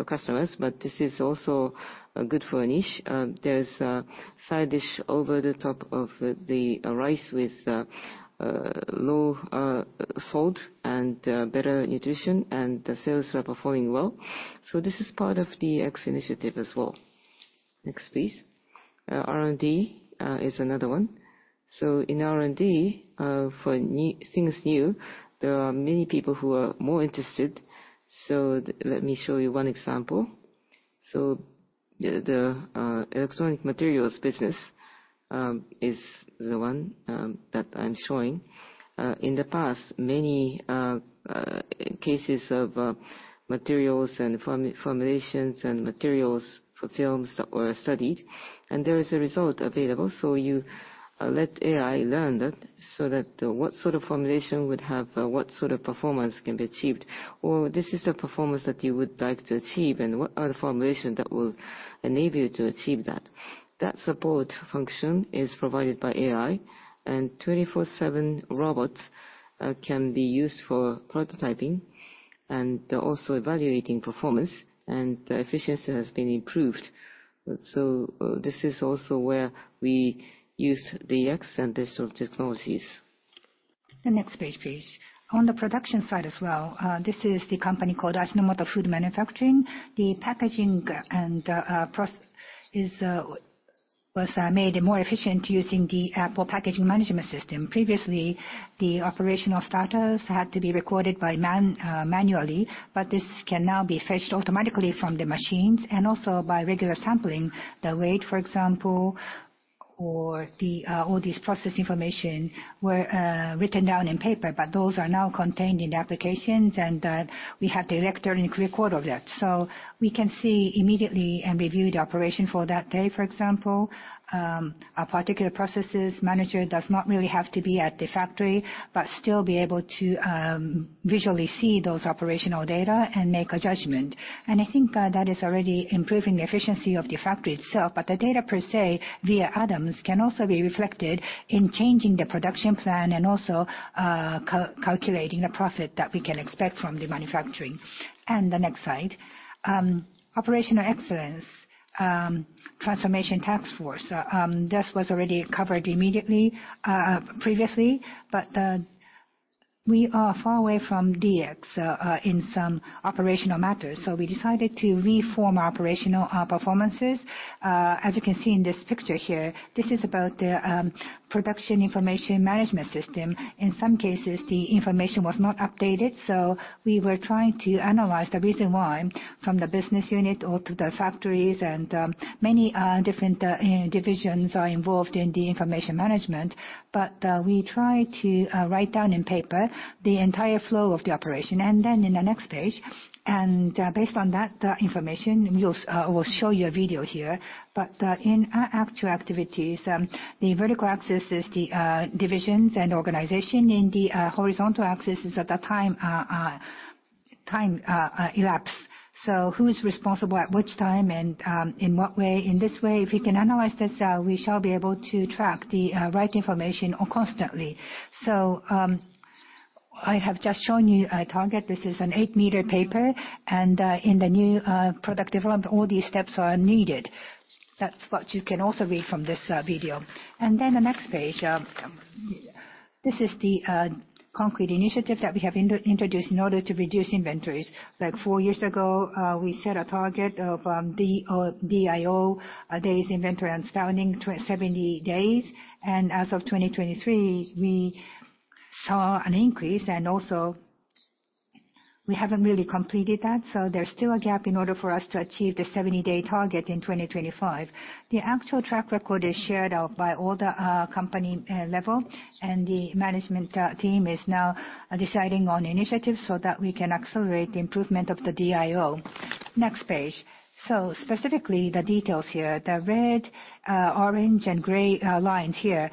customers, but this is also good for a niche. There's a side dish over the top of the rice with low salt and better nutrition, and the sales are performing well. This is part of the DX initiative as well. Next, please. R&D is another one. In R&D, for things new, there are many people who are more interested. Let me show you one example. The electronic materials business is the one that I'm showing. In the past, many cases of materials and formulations and materials for films were studied, and there is a result available. You let AI learn that so that what sort of formulation would have what sort of performance can be achieved. Or this is the performance that you would like to achieve, and what are the formulation that will enable you to achieve that? That support function is provided by AI, and 24/7 robots can be used for prototyping and also evaluating performance, and efficiency has been improved. This is also where we use DX and digital technologies. The next page, please. On the production side as well, this is the company called Ajinomoto Food Manufacturing. The packaging and process was made more efficient using the APPLE packaging management system. Previously, the operational starters had to be recorded manually, but this can now be fetched automatically from the machines and also by regular sampling. The weight, for example, or all this process information were written down on paper, but those are now contained in the applications, and we have electronic record of that. We can see immediately and review the operation for that day. For example, a particular processes manager does not really have to be at the factory, but still be able to visually see those operational data and make a judgment. I think that is already improving the efficiency of the factory itself. The data per se, via ADAMS, can also be reflected in changing the production plan and also calculating the profit that we can expect from the manufacturing. The next slide. Operational excellence transformation task force. This was already covered previously, but we are far away from DX in some operational matters, so we decided to reform our operational performances. As you can see in this picture here, this is about the production information management system. In some cases, the information was not updated, so we were trying to analyze the reason why from the business unit or to the factories, and many different divisions are involved in the information management. We try to write down on paper the entire flow of the operation. Then in the next page, and based on that information, we'll show you a video here. In our actual activities, the vertical axis is the divisions and organization. The horizontal axis is the time elapsed. Who's responsible at which time and in what way. In this way, if we can analyze this, we shall be able to track the right information constantly. I have just shown you a target. This is an eight-meter paper, and in the new product development, all these steps are needed. That's what you can also read from this video. The next page. This is the concrete initiative that we have introduced in order to reduce inventories. Four years ago, we set a target of DIO, days inventory outstanding, 70 days. As of 2023, we saw an increase, and also we haven't really completed that, so there's still a gap in order for us to achieve the 70-day target in 2025. The actual track record is shared by all the company level, and the management team is now deciding on initiatives so that we can accelerate the improvement of the DIO. Next page. Specifically, the details here, the red, orange, and gray lines here.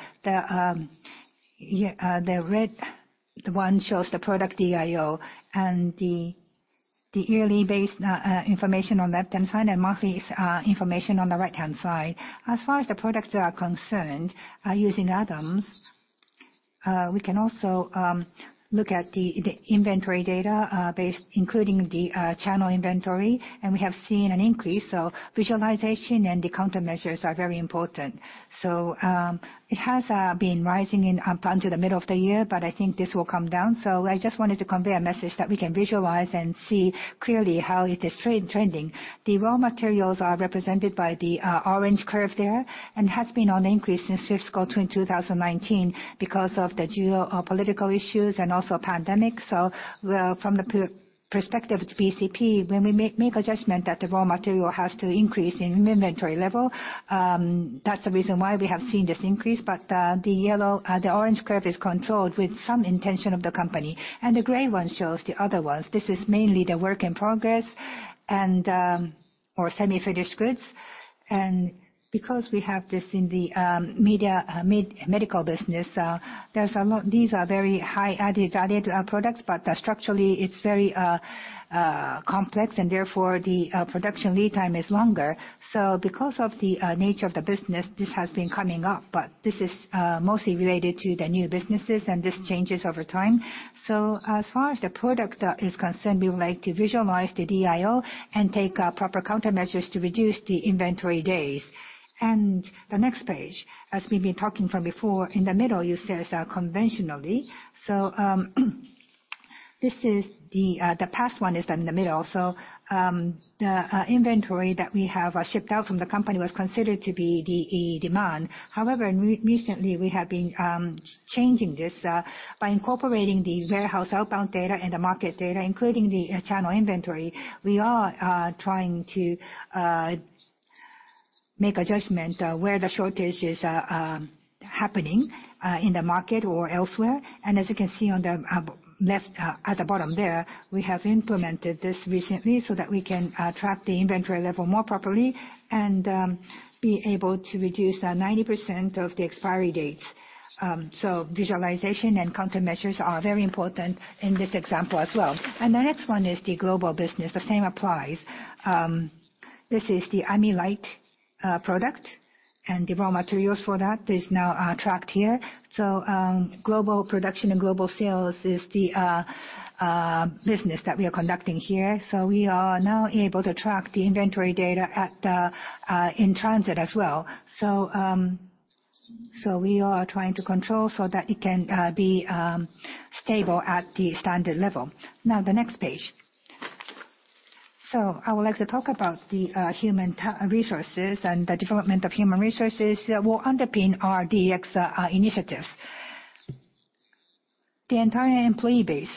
The red one shows the product DIO, and the yearly based information on left-hand side, and monthly information on the right-hand side. As far as the products are concerned are using ADAMS. We can also look at the inventory data based, including the channel inventory, and we have seen an increase. Visualization and the countermeasures are very important. It has been rising up until the middle of the year, but I think this will come down. I just wanted to convey a message that we can visualize and see clearly how it is trending. The raw materials are represented by the orange curve there, and has been on increase since fiscal 2019 because of the geopolitical issues and also pandemic. From the perspective of BCP, when we make a judgment that the raw material has to increase in inventory level, that's the reason why we have seen this increase. The orange curve is controlled with some intention of the company. The gray one shows the other ones. This is mainly the work in progress or semi-finished goods. Because we have this in the medical business, these are very high added value products, but structurally it's very complex and therefore the production lead time is longer. Because of the nature of the business, this has been coming up, but this is mostly related to the new businesses, and this changes over time. As far as the product is concerned, we would like to visualize the DIO and take proper countermeasures to reduce the inventory days. The next page, as we've been talking from before, in the middle it says conventionally. The past one is in the middle. The inventory that we have shipped out from the company was considered to be the demand. However, recently we have been changing this by incorporating the warehouse outbound data and the market data, including the channel inventory. We are trying to make a judgment where the shortage is happening in the market or elsewhere. As you can see on the left at the bottom there, we have implemented this recently so that we can track the inventory level more properly and be able to reduce 90% of the expiry dates. Visualization and countermeasures are very important in this example as well. The next one is the global business. The same applies. This is the Amilite product, and the raw materials for that is now tracked here. Global production and global sales is the business that we are conducting here. We are now able to track the inventory data in transit as well. We are trying to control so that it can be stable at the standard level. The next page. I would like to talk about the human resources and the development of human resources will underpin our DX initiatives. The entire employee base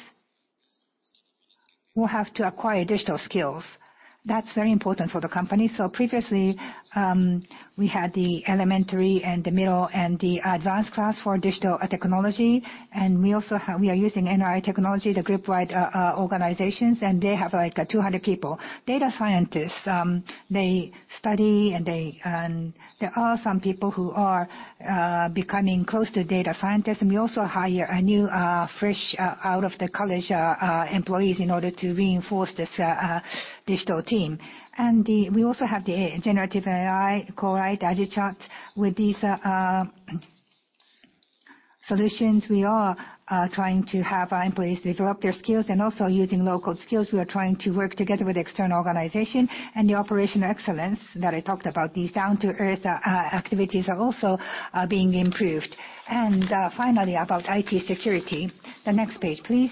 will have to acquire digital skills. That's very important for the company. Previously we had the elementary and the middle and the advanced class for digital technology. We are using NRI System Techno, the Group-wide organizations, and they have 200 people, data scientists. They study, and there are some people who are becoming close to data scientists, and we also hire new, fresh out of the college employees in order to reinforce this digital team. We also have the generative AI, Corite, AgileChat. With these solutions, we are trying to have our employees develop their skills and also using local skills. We are trying to work together with external organization. The operational excellence that I talked about, these down to earth activities are also being improved. Finally, about IT security. The next page, please.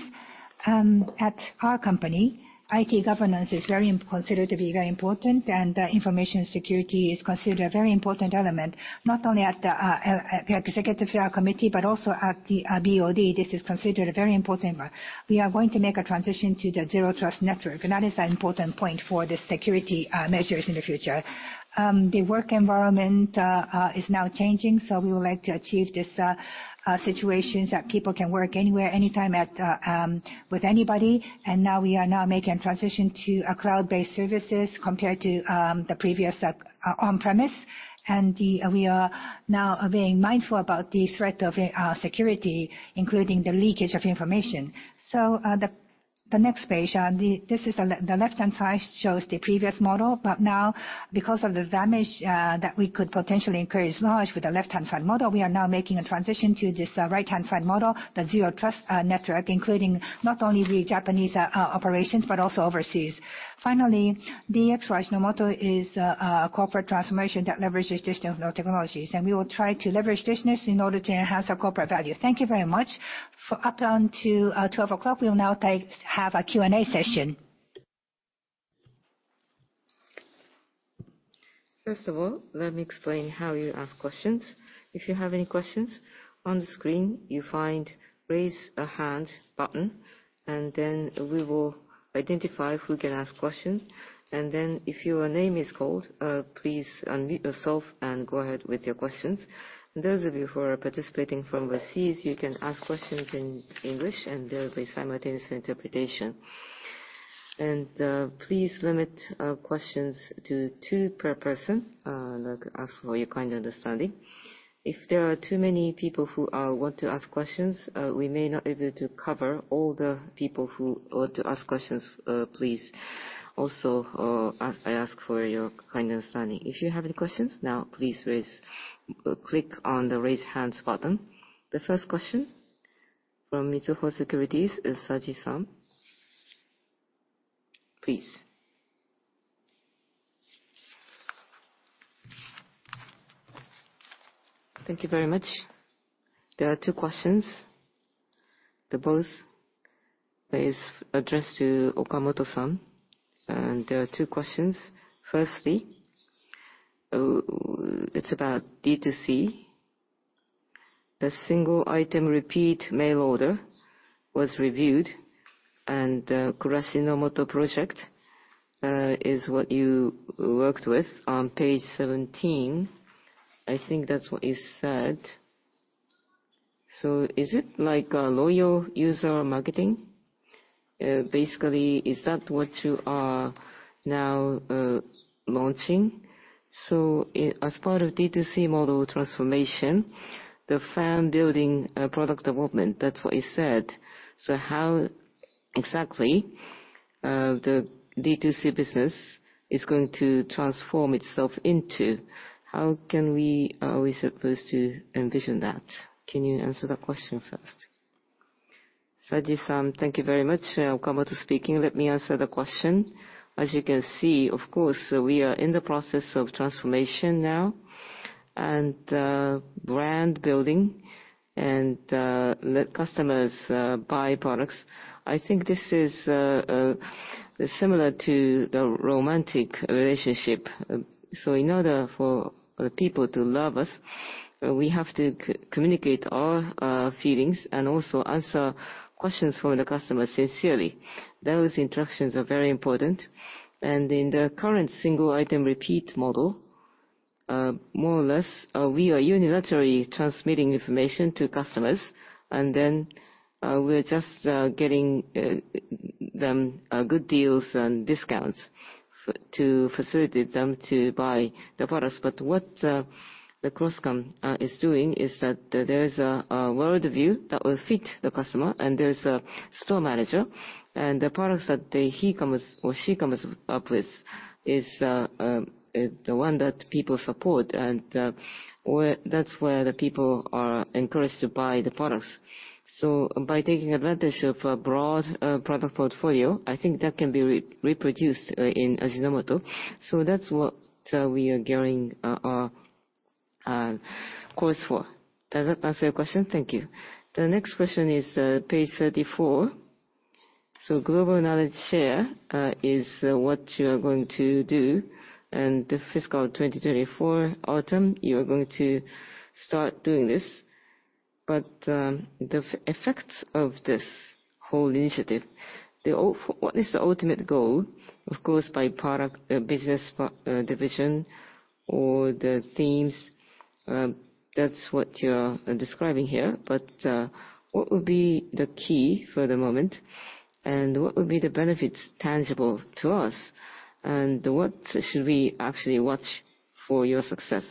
At our company, IT governance is considered to be very important, and information security is considered a very important element, not only at the executive committee, but also at the BOD. This is considered a very important one. We are going to make a transition to the zero trust network, that is an important point for the security measures in the future. The work environment is now changing, we would like to achieve this situation that people can work anywhere, anytime, with anybody. Now we are now making transition to cloud-based services compared to the previous on-premise. We are now being mindful about the threat of security, including the leakage of information. The next page. The left-hand side shows the previous model. Now because of the damage that we could potentially incur is large with the left-hand side model, we are now making a transition to this right-hand side model, the zero trust network, including not only the Japanese operations but also overseas. Finally, DX Ajinomoto is a corporate transformation that leverages digital technologies, we will try to leverage these in order to enhance our corporate value. Thank you very much. Up until 12:00, we'll now have a Q&A session. First of all, let me explain how you ask questions. If you have any questions, on the screen you find Raise a Hand button, then we will identify who can ask questions. Then if your name is called, please unmute yourself and go ahead with your questions. Those of you who are participating from overseas, you can ask questions in English, and there will be simultaneous interpretation. Please limit questions to two per person. I'd like to ask for your kind understanding. If there are too many people who want to ask questions, we may not be able to cover all the people who ought to ask questions. Please, also, I ask for your kind understanding. If you have any questions now, please click on the Raise Hands button. The first question from Mizuho Securities is Saji-san. Please. Thank you very much. There are two questions. They both is addressed to Okamoto-san, and there are two questions. Firstly, it's about D2C. The single item repeat mail order was reviewed, and Kurashi no Moto Project, is what you worked with on page 17. I think that's what you said. Is it like a loyal user marketing? Basically, is that what you are now launching? As part of D2C model transformation, the fan-building product development, that's what you said. How exactly the D2C business is going to transform itself into? How are we supposed to envision that? Can you answer that question first? Saji-san, thank you very much. Okamoto speaking. Let me answer the question. As you can see, of course, we are in the process of transformation now, and brand building and let customers buy products. I think this is similar to the romantic relationship. In order for people to love us, we have to communicate our feelings and also answer questions from the customer sincerely. Those interactions are very important, and in the current single item repeat model, more or less, we are unilaterally transmitting information to customers, then, we're just getting them good deals and discounts to facilitate them to buy the products. What the CROSSCON is doing is that there is a worldview that will fit the customer, and there's a store manager. The products that he comes or she comes up with is the one that people support and that's where the people are encouraged to buy the products. By taking advantage of a broad product portfolio, I think that can be reproduced in Ajinomoto. That's what we are gearing our course for. Does that answer your question? Thank you. The next question is page 34. Global Knowledge Share, is what you are going to do, and the fiscal 2024 autumn, you are going to start doing this. The effects of this whole initiative, what is the ultimate goal? Of course, by product, business division or the themes, that's what you're describing here, but, what would be the key for the moment, and what would be the benefits tangible to us? What should we actually watch for your success?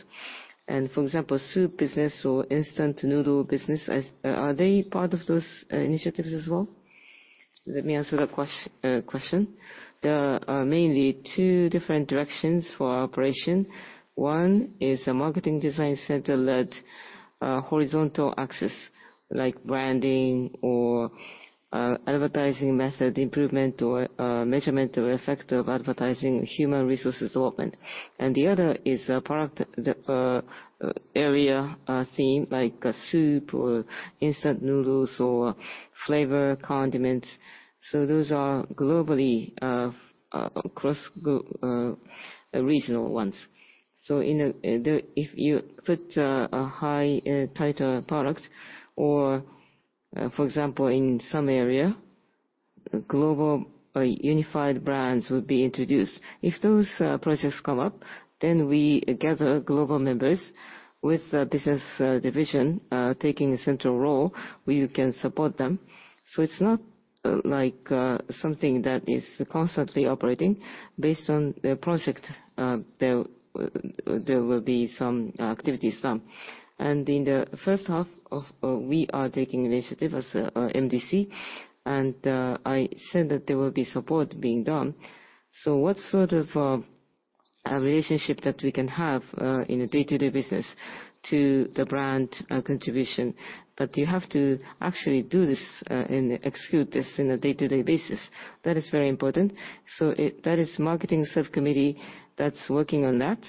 For example, soup business or instant noodle business, are they part of those initiatives as well? Let me answer that question. There are mainly two different directions for our operation. One is a Marketing Design Center led horizontal axis, like branding or advertising method improvement or measurement effect of advertising, human resources open. The other is a product area theme like soup or instant noodles or flavor condiments. Those are globally across regional ones. If you put a high tighter product or for example, in some area, global unified brands would be introduced. If those projects come up, we gather global members with the business division taking a central role. We can support them. It's not like something that is constantly operating. Based on the project, there will be some activity, some. In the first half of we are taking initiative as MDC, and I said that there will be support being done. What sort of a relationship that we can have in a day-to-day business to the brand contribution, but you have to actually do this and execute this in a day-to-day basis. That is very important. That is marketing subcommittee that's working on that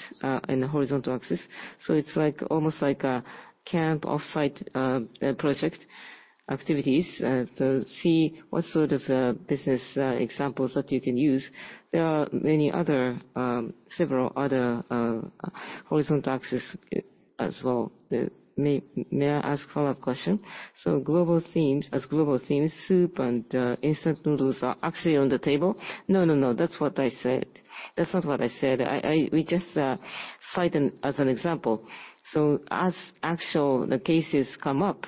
in the horizontal axis. It's almost like a camp offsite project activities to see what sort of business examples that you can use. There are several other horizontal axis as well. May I ask a follow-up question? As global themes, soup and instant noodles are actually on the table. No, no. That's not what I said. We just cite as an example. As actual cases come up,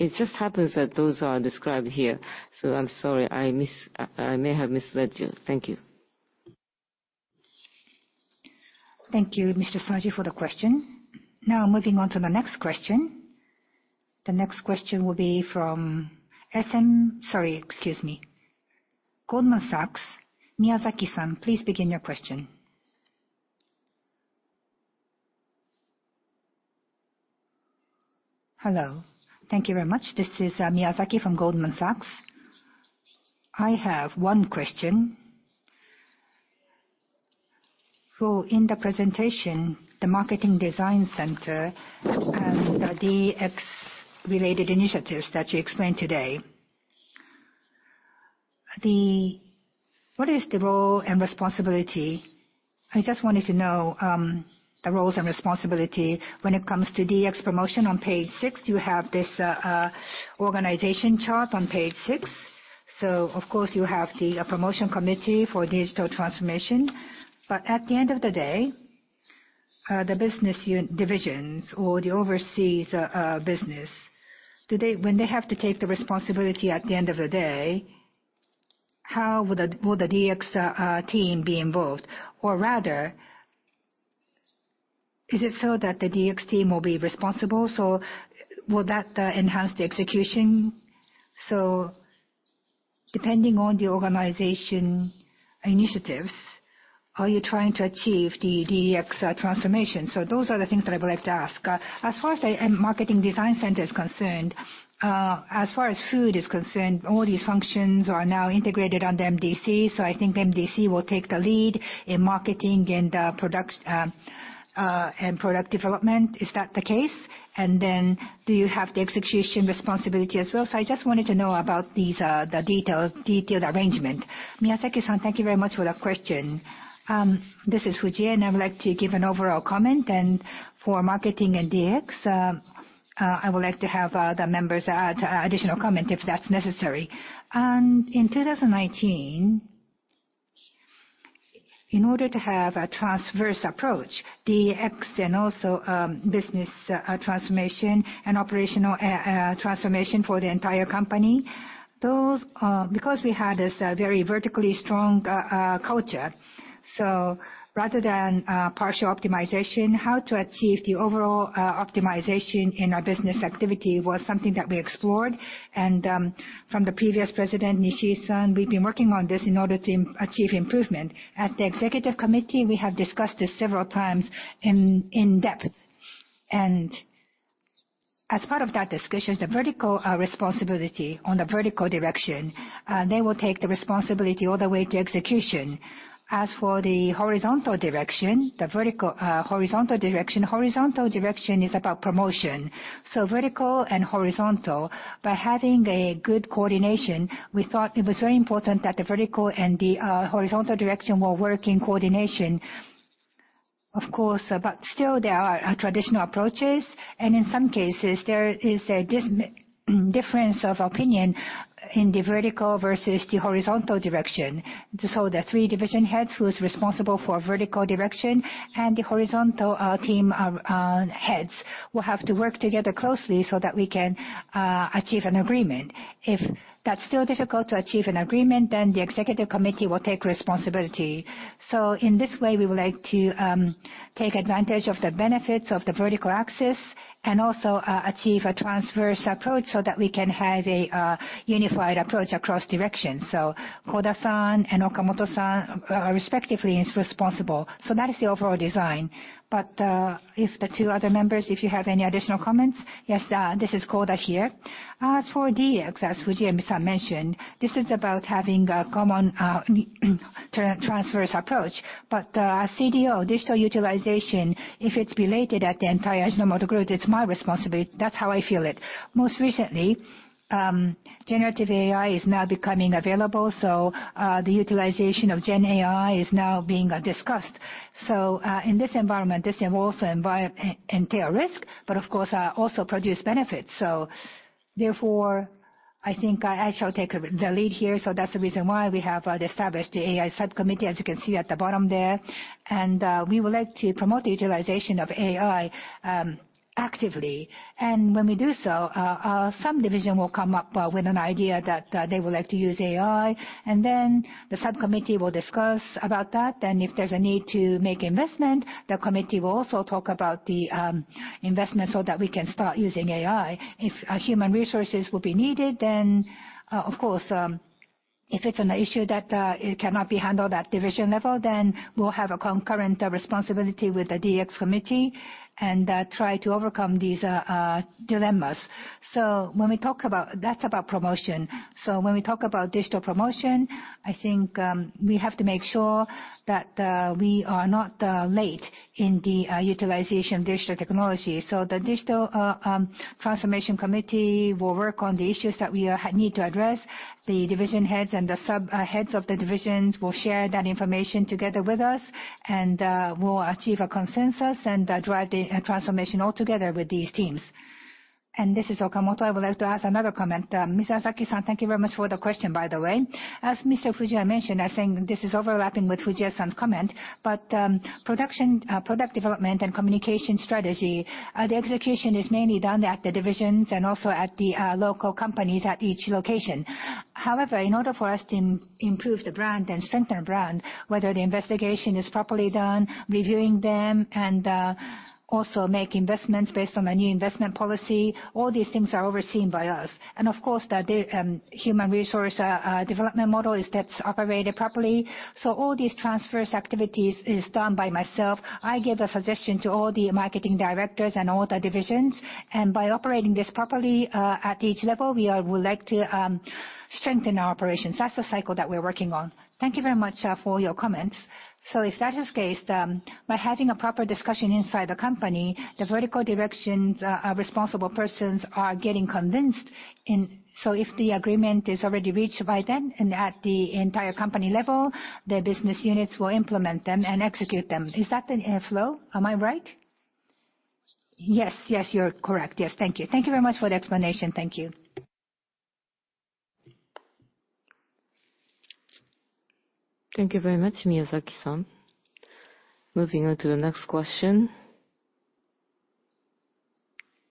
it just happens that those are described here. I'm sorry, I may have misled you. Thank you. Thank you, Mr. Soji, for the question. Moving on to the next question. The next question will be from Sorry, excuse me. Goldman Sachs, Miyazaki-san, please begin your question. Hello. Thank you very much. This is Miyazaki from Goldman Sachs. I have one question. In the presentation, the Marketing Design Center and the DX related initiatives that you explained today, what is the role and responsibility? I just wanted to know the roles and responsibility when it comes to DX promotion. On page six, you have this organization chart on page six. Of course, you have the promotion committee for digital transformation. At the end of the day, the business divisions or the overseas business, when they have to take the responsibility at the end of the day, how will the DX team be involved? Or rather, is it that the DX team will be responsible? Will that enhance the execution? Depending on the organization initiatives, are you trying to achieve the DX transformation? Those are the things that I would like to ask. As far as Marketing Design Center is concerned, as far as food is concerned, all these functions are now integrated on the MDC. I think MDC will take the lead in marketing and product development. Is that the case? Do you have the execution responsibility as well? I just wanted to know about the detailed arrangement. Miyazaki-san, thank you very much for the question. This is Fujii, I would like to give an overall comment. For marketing and DX, I would like to have the members add additional comment if that's necessary. In 2019, in order to have a transverse approach, DX and also business transformation and operational transformation for the entire company. Because we had this very vertically strong culture, rather than partial optimization, how to achieve the overall optimization in our business activity was something that we explored. From the previous president, Nishii-san, we've been working on this in order to achieve improvement. At the Executive Committee, we have discussed this several times in depth. As part of that discussion, the vertical responsibility on the vertical direction, they will take the responsibility all the way to execution. As for the horizontal direction, horizontal direction is about promotion. Vertical and horizontal. By having a good coordination, we thought it was very important that the vertical and the horizontal direction will work in coordination. Of course, still there are traditional approaches, and in some cases, there is a difference of opinion in the vertical versus the horizontal direction. The three division heads who's responsible for vertical direction and the horizontal team heads will have to work together closely so that we can achieve an agreement. If that's still difficult to achieve an agreement, then the Executive Committee will take responsibility. In this way, we would like to take advantage of the benefits of the vertical axis and also achieve a transverse approach so that we can have a unified approach across directions. Koda-san and Okamoto-san respectively is responsible. That is the overall design. If the two other members, if you have any additional comments. Yes. This is Koda here. As for DX, as Fujii-san mentioned, this is about having a common transverse approach. As CDO, digital utilization, if it's related at the entire Ajinomoto Group, it's my responsibility. That's how I feel it. Most recently, Generative AI is now becoming available, the utilization of Gen AI is now being discussed. In this environment, this involves entire risk, of course, also produce benefits. Therefore, I think I shall take the lead here. That's the reason why we have established the AI subcommittee, as you can see at the bottom there. We would like to promote the utilization of AI actively. When we do so, some division will come up with an idea that they would like to use AI, then the subcommittee will discuss about that. If there's a need to make investment, the committee will also talk about the investment so that we can start using AI. If human resources will be needed, then of course, if it's an issue that it cannot be handled at division level, then we'll have a concurrent responsibility with the DX Committee and try to overcome these dilemmas. That's about promotion. When we talk about digital promotion, I think we have to make sure that we are not late in the utilization of digital technology. The Digital Transformation Committee will work on the issues that we need to address. The division heads and the sub heads of the divisions will share that information together with us, we'll achieve a consensus and drive the transformation altogether with these teams. This is Okamoto. I would like to ask another comment. Mr. Asakisan, thank you very much for the question, by the way. As Fujie mentioned, this is overlapping with Fujie-san's comment, product development and communication strategy, the execution is mainly done at the divisions and also at the local companies at each location. In order for us to improve the brand and strengthen our brand, whether the investigation is properly done, reviewing them, and also make investments based on a new investment policy, all these things are overseen by us. Of course, the human resource development model is operated properly. All these transverse activities are done by myself. I give a suggestion to all the marketing directors and all the divisions, and by operating this properly at each level, we would like to strengthen our operations. That's the cycle that we're working on. Thank you very much for your comments. If that is the case, by having a proper discussion inside the company, the vertical directions responsible persons are getting convinced. If the agreement is already reached by then and at the entire company level, the business units will implement them and execute them. Is that the flow? Am I right? Yes, you're correct. Yes. Thank you. Thank you very much for the explanation. Thank you. Thank you very much, Takashi-san. Moving on to the next question.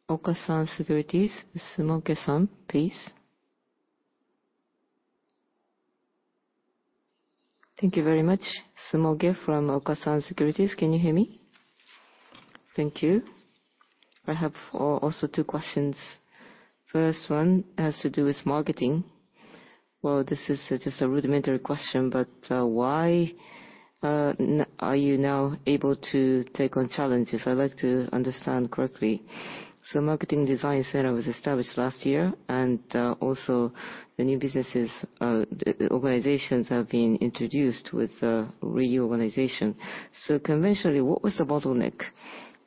Okasan Securities, Manabu-san, please. Thank you very much. Manabu from Okasan Securities. Can you hear me? Thank you. I have also two questions. First one has to do with marketing. Well, this is just a rudimentary question, why are you now able to take on challenges? I'd like to understand correctly. Marketing Design Center was established last year, and also the new businesses organizations have been introduced with reorganization. Conventionally, what was the bottleneck?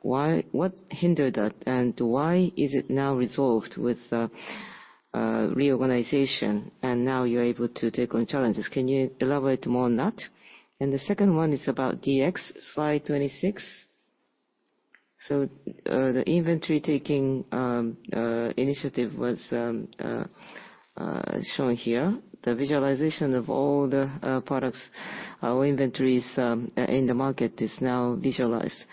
What hindered that, and why is it now resolved with reorganization and now you're able to take on challenges? Can you elaborate more on that? The second one is about DX, slide 26. The inventory-taking initiative was shown here. The visualization of all the products or inventories in the market is now visualized.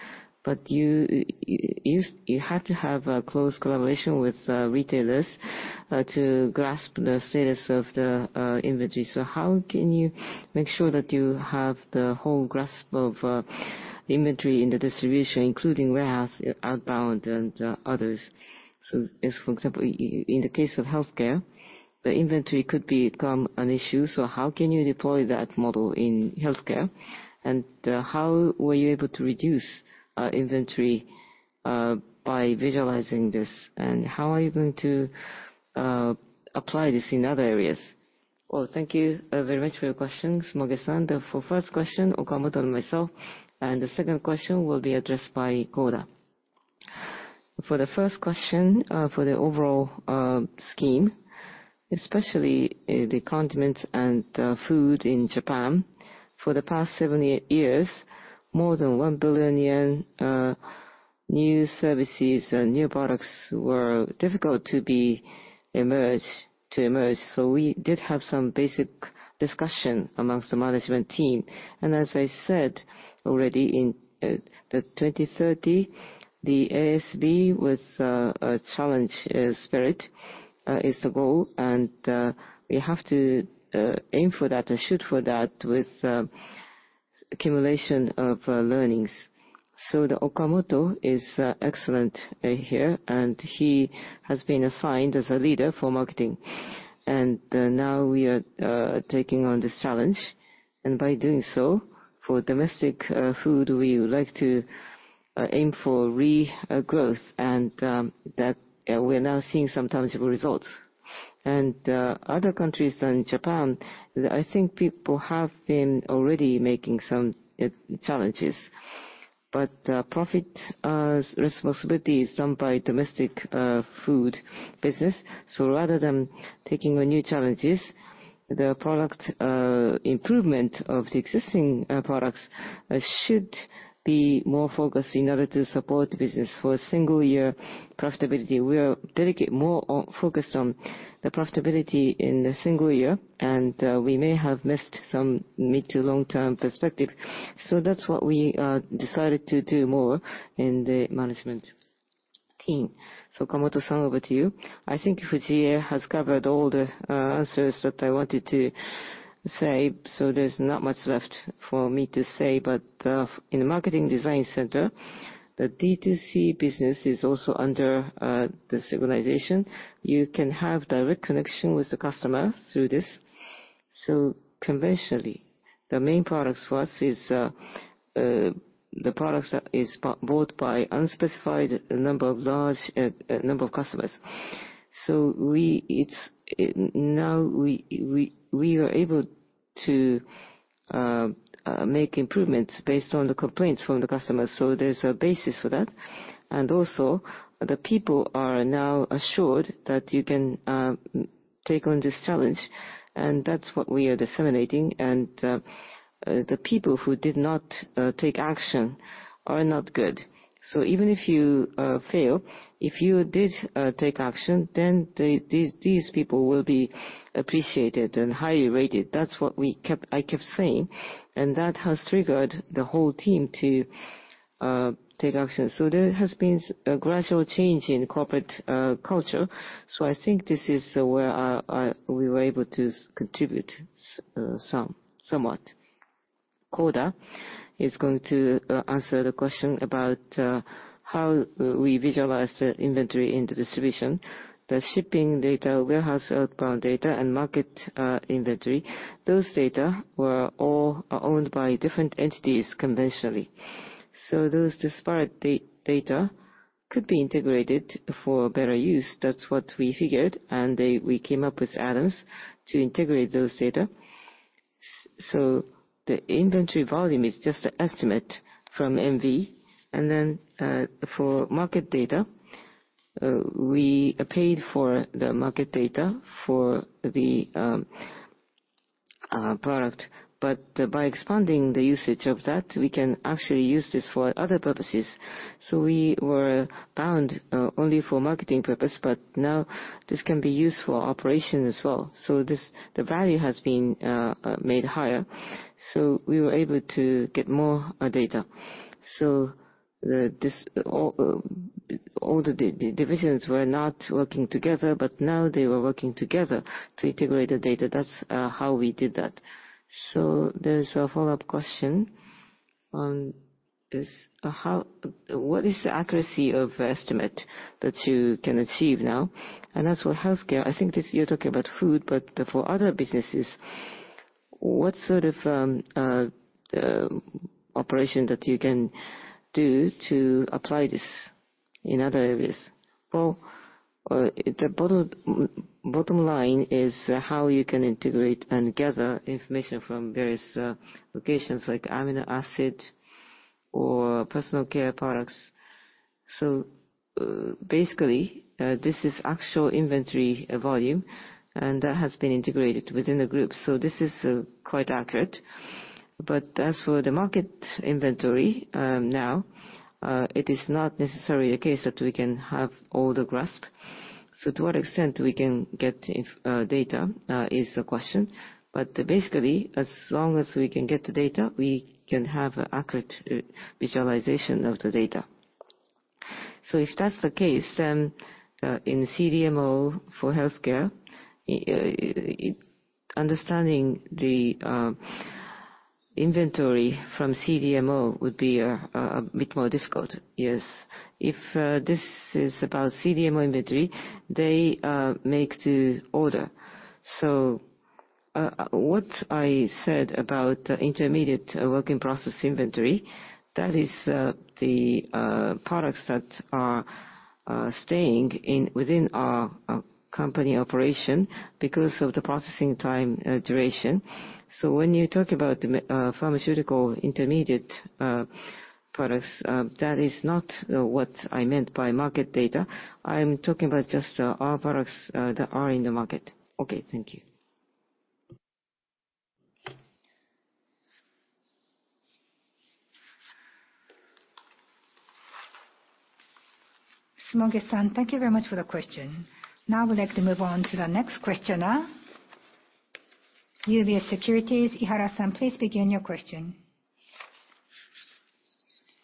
You had to have a close collaboration with retailers to grasp the status of the inventory. How can you make sure that you have the whole grasp of inventory in the distribution, including warehouse, outbound, and others? For example, in the case of healthcare, the inventory could become an issue. How can you deploy that model in healthcare? How were you able to reduce inventory by visualizing this, and how are you going to apply this in other areas? Well, thank you very much for your question, Manabu-san. The first question, Okamoto and myself, and the second question will be addressed by Goda. For the first question, for the overall scheme, especially the condiments and food in Japan, for the past seven, eight years, more than 1 billion yen new services and new products were difficult to emerge. We did have some basic discussion amongst the management team. As I said already in 2030, the ASV with a challenge spirit is the goal, and we have to aim for that and shoot for that with accumulation of learnings. Okamoto is excellent here, and he has been assigned as a leader for marketing. Now we are taking on this challenge, and by doing so, for domestic food, we would like to aim for regrowth. We are now seeing some tangible results. Other countries than Japan, I think people have been already making some challenges. Profit responsibility is done by domestic food business. Rather than taking on new challenges, the product improvement of the existing products should be more focused in order to support business for a single year profitability. We are dedicated more on focus on the profitability in a single year, and we may have missed some mid to long-term perspective. That's what we decided to do more in the management team. Okamoto-san, over to you. I think Fujie has covered all the answers that I wanted to say, there's not much left for me to say. But in the Marketing Design Center, the D2C business is also under this organization. You can have direct connection with the customer through this. Conventionally, the main products for us is the products that is bought by unspecified number of customers. Now we are able to make improvements based on the complaints from the customers. There's a basis for that. Also, the people are now assured that you can take on this challenge, and that's what we are disseminating. The people who did not take action are not good. Even if you fail, if you did take action, then these people will be appreciated and highly rated. That's what I kept saying, and that has triggered the whole team to take action. There has been a gradual change in corporate culture. I think this is where we were able to contribute somewhat. Koda is going to answer the question about how we visualize the inventory in the distribution. The shipping data, warehouse outbound data, and market inventory, those data are all owned by different entities conventionally. Those disparate data could be integrated for better use. That's what we figured, and we came up with ADAMS to integrate those data. The inventory volume is just an estimate from MV. Then for market data, we paid for the market data for the product. By expanding the usage of that, we can actually use this for other purposes. We were bound only for marketing purpose, but now this can be used for operation as well. The value has been made higher. We were able to get more data. All the divisions were not working together, but now they are working together to integrate the data. That's how we did that. There's a follow-up question. "What is the accuracy of estimate that you can achieve now? As for healthcare, I think you're talking about food, but for other businesses, what sort of operation that you can do to apply this in other areas?" The bottom line is how you can integrate and gather information from various locations, like amino acid or personal care products. Basically, this is actual inventory volume, and that has been integrated within the group. This is quite accurate. As for the market inventory, now, it is not necessarily the case that we can have all the grasp. To what extent we can get data is the question. Basically, as long as we can get the data, we can have accurate visualization of the data. If that's the case, in CDMO for healthcare, understanding the inventory from CDMO would be a bit more difficult. Yes. If this is about CDMO inventory, they make to order. What I said about intermediate work-in-process inventory, that is the products that are staying within our company operation because of the processing time duration. When you talk about pharmaceutical intermediate products, that is not what I meant by market data. I'm talking about just our products that are in the market. Okay. Thank you. Smoge-san, thank you very much for the question. Now we'd like to move on to the next questioner. UBS Securities, Ihara-san, please begin your question.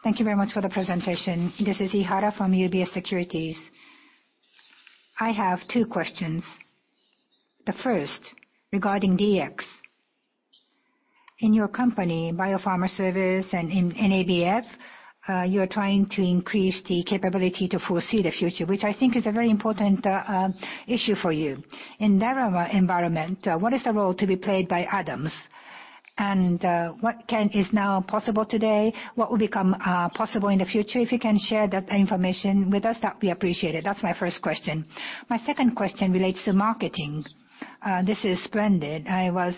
Thank you very much for the presentation. This is Ihara from UBS Securities. I have two questions. The first, regarding DX. In your company, Bio-Pharma Service and in ABF, you're trying to increase the capability to foresee the future, which I think is a very important issue for you. In that environment, what is the role to be played by ADAMS? What is now possible today? What will become possible in the future? If you can share that information with us, that would be appreciated. That's my first question. My second question relates to marketing. This is splendid. I was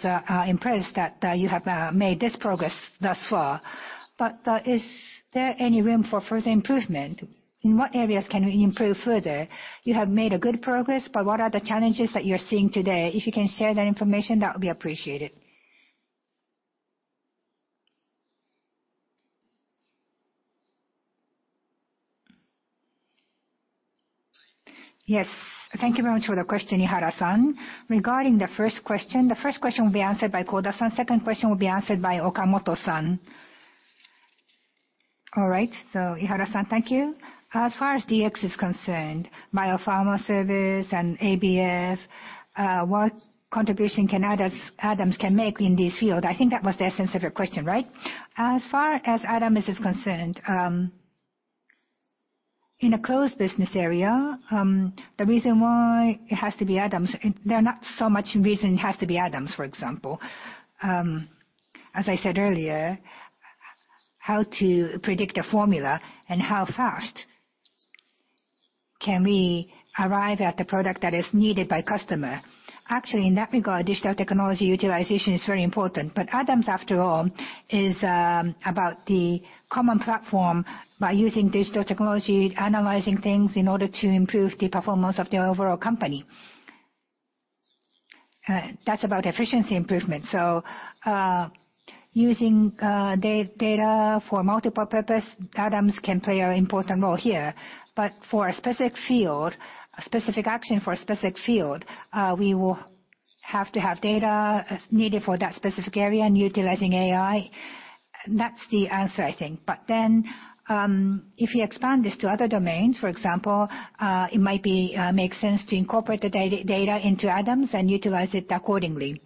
impressed that you have made this progress thus far. Is there any room for further improvement? In what areas can we improve further? You have made a good progress, but what are the challenges that you're seeing today? If you can share that information, that would be appreciated. Yes. Thank you very much for the question, Ihara-san. Regarding the first question, the first question will be answered by Koda-san. Second question will be answered by Okamoto-san. All right. Ihara-san, thank you. As far as DX is concerned, Bio-Pharma Service and ABF, what contribution can ADAMS make in this field? I think that was the essence of your question, right? As far as ADAMS is concerned, in a closed business area, the reason why it has to be ADAMS, there are not so much reason it has to be ADAMS, for example. As I said earlier, how to predict a formula and how fast can we arrive at the product that is needed by customer. Actually, in that regard, digital technology utilization is very important. ADAMS, after all, is about the common platform by using digital technology, analyzing things in order to improve the performance of the overall company. That's about efficiency improvement. Using data for multiple purpose, ADAMS can play an important role here. For a specific field, a specific action for a specific field, we will have to have data needed for that specific area and utilizing AI. That's the answer, I think. If you expand this to other domains, for example, it might make sense to incorporate the data into ADAMS and utilize it accordingly.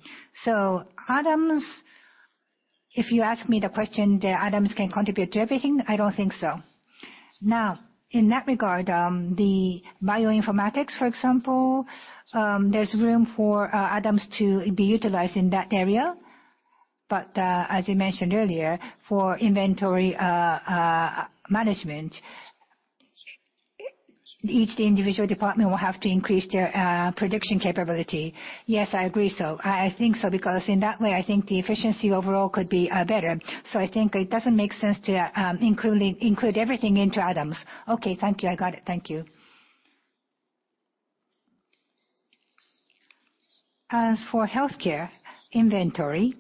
ADAMS, if you ask me the question that ADAMS can contribute to everything, I don't think so. In that regard, the bioinformatics, for example, there's room for ADAMS to be utilized in that area. As you mentioned earlier, for inventory management, each individual department will have to increase their prediction capability. Yes, I agree so. I think so, because in that way, I think the efficiency overall could be better. I think it doesn't make sense to include everything into ADAMS. Okay, thank you. I got it. Thank you. As for healthcare inventory,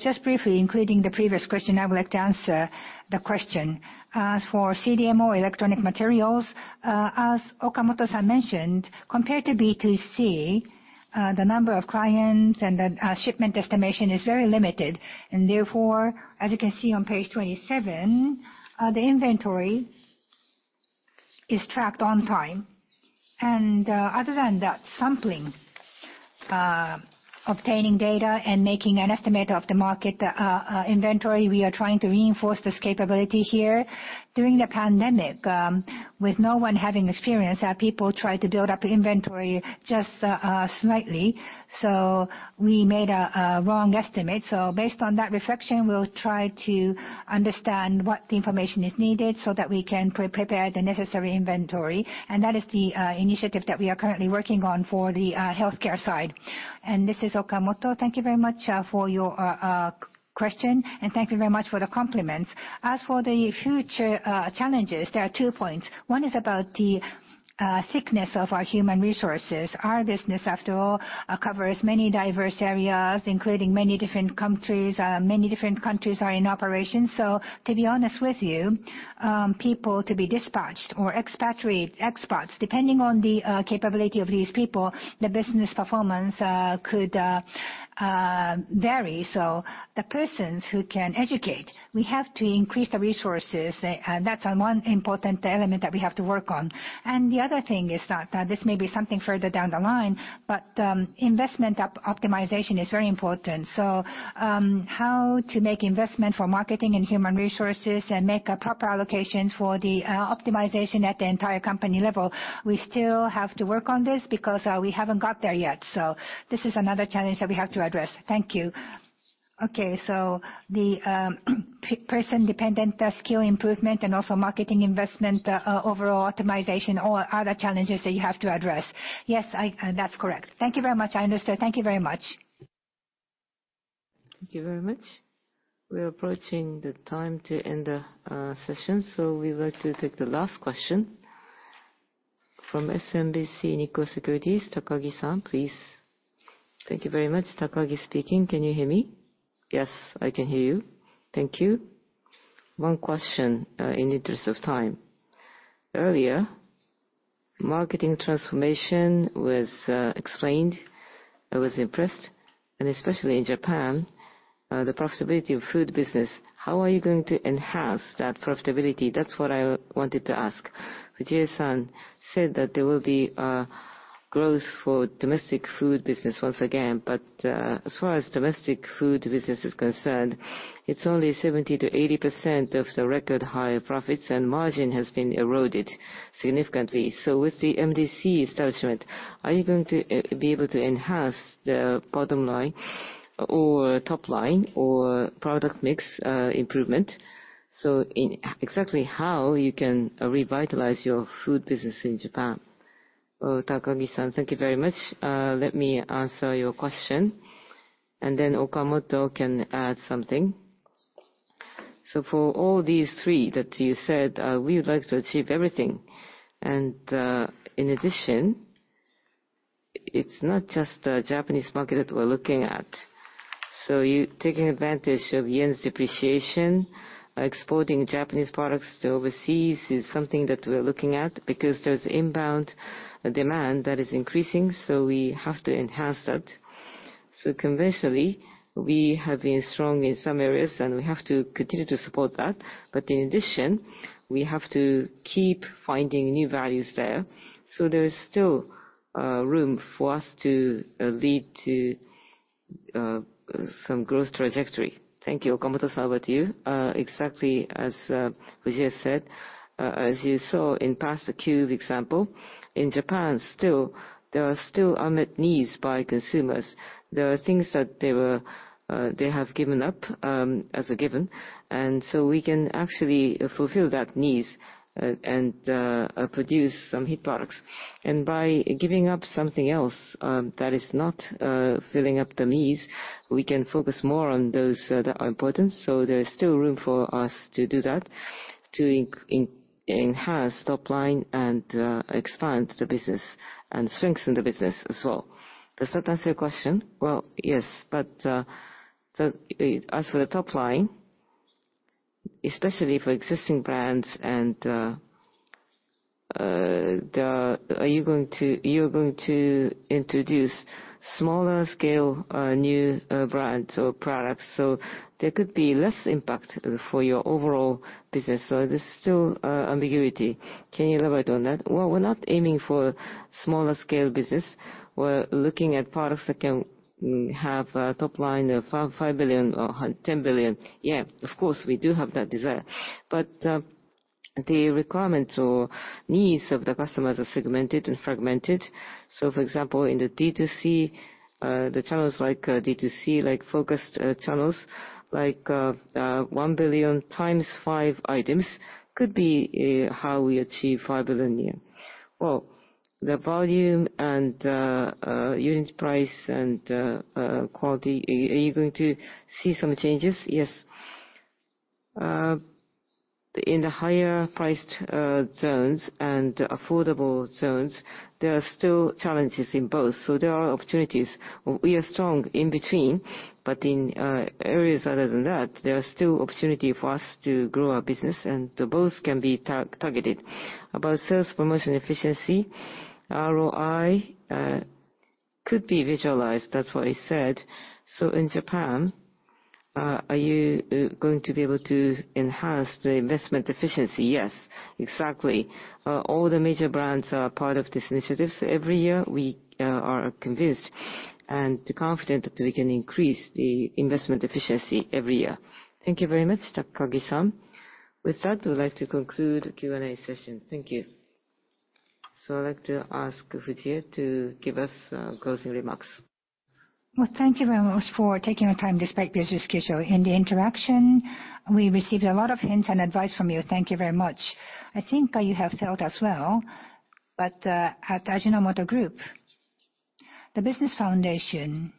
just briefly, including the previous question, I would like to answer the question. As for CDMO electronic materials, as Okamoto San mentioned, compared to B2C, the number of clients and the shipment estimation is very limited, and therefore, as you can see on page 27, the inventory is tracked on time. Other than that sampling, obtaining data and making an estimate of the market inventory, we are trying to reinforce this capability here. During the pandemic, with no one having experience, our people tried to build up inventory just slightly, we made a wrong estimate. Based on that reflection, we'll try to understand what information is needed so that we can prepare the necessary inventory. That is the initiative that we are currently working on for the healthcare side. This is Okamoto. Thank you very much for your question, and thank you very much for the compliments. As for the future challenges, there are two points. One is about the thickness of our human resources. Our business, after all, covers many diverse areas, including many different countries. Many different countries are in operation. To be honest with you, people to be dispatched or expats, depending on the capability of these people, the business performance could vary. The persons who can educate, we have to increase the resources. The other thing is that this may be something further down the line, but investment optimization is very important. How to make investment for marketing and human resources and make proper allocations for the optimization at the entire company level. We still have to work on this because we haven't got there yet. This is another challenge that we have to address. Thank you. Okay. The person-dependent skill improvement and also marketing investment overall optimization or other challenges that you have to address? Yes, that's correct. Thank you very much. I understand. Thank you very much. Thank you very much. We're approaching the time to end the session. We would like to take the last question from SMBC Nikko Securities, Takagi San, please. Thank you very much. Takagi speaking. Can you hear me? Yes, I can hear you. Thank you. One question in the interest of time. Earlier, marketing transformation was explained. I was impressed. Especially in Japan, the profitability of food business, how are you going to enhance that profitability? That's what I wanted to ask. Fujii San said that there will be growth for domestic food business once again. As far as domestic food business is concerned, it's only 70%-80% of the record-high profits, and margin has been eroded significantly. With the MDC establishment, are you going to be able to enhance the bottom line or top line or product mix improvement? Exactly how you can revitalize your food business in Japan. Takagi San, thank you very much. Let me answer your question, and then Okamoto can add something. For all these three that you said, we would like to achieve everything. In addition, it's not just the Japanese market that we're looking at. Taking advantage of yen's depreciation, exporting Japanese products to overseas is something that we're looking at because there's inbound demand that is increasing, so we have to enhance that. Conventionally, we have been strong in some areas, and we have to continue to support that. In addition, we have to keep finding new values there. There is still room for us to lead to some growth trajectory. Thank you. Okamoto San, over to you. Exactly as Fujii said, as you saw in Pasta Cube example, in Japan, there are still unmet needs by consumers. There are things that they have given up as a given, we can actually fulfill that needs and produce some hit products. By giving up something else that is not filling up the needs, we can focus more on those that are important. There is still room for us to do that, to enhance top line and expand the business and strengthen the business as well. Does that answer your question? Well, yes. As for the top line. Especially for existing brands, and you're going to introduce smaller scale new brands or products, so there could be less impact for your overall business. There's still ambiguity. Can you elaborate on that? Well, we're not aiming for smaller scale business. We're looking at products that can have a top line of 5 billion or 10 billion. Of course, we do have that desire. The requirements or needs of the customers are segmented and fragmented. For example, in the D2C, the channels like D2C, like focused channels, like 1 billion times five items could be how we achieve 5 billion yen a year. Well, the volume and unit price and quality, are you going to see some changes? Yes. In the higher priced zones and affordable zones, there are still challenges in both, so there are opportunities. We are strong in between, but in areas other than that, there are still opportunity for us to grow our business, and both can be targeted. About sales promotion efficiency, ROI could be visualized. That's what I said. In Japan, are you going to be able to enhance the investment efficiency? Yes, exactly. All the major brands are part of these initiatives every year. We are convinced and confident that we can increase the investment efficiency every year. Thank you very much, Takagi-san. With that, we would like to conclude the Q&A session. Thank you. I'd like to ask Fujie to give us closing remarks. Well, thank you very much for taking the time despite your busy schedule. In the interaction, we received a lot of hints and advice from you. Thank you very much. I think you have felt as well, but at Ajinomoto Group, the business foundation,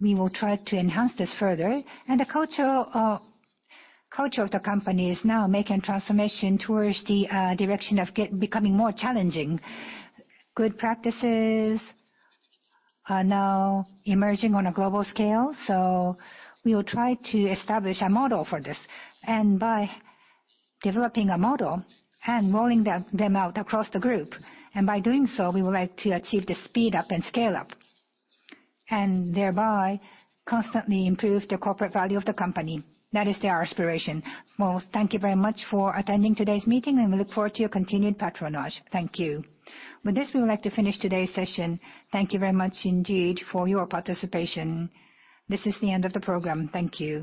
we will try to enhance this further. The culture of the company is now making transformation towards the direction of becoming more challenging. Good practices are now emerging on a global scale, so we will try to establish a model for this. By developing a model and rolling them out across the group, and by doing so, we would like to achieve the speed up and scale up, and thereby constantly improve the corporate value of the company. That is our aspiration. Well, thank you very much for attending today's meeting, and we look forward to your continued patronage. Thank you. With this, we would like to finish today's session. Thank you very much indeed for your participation. This is the end of the program. Thank you.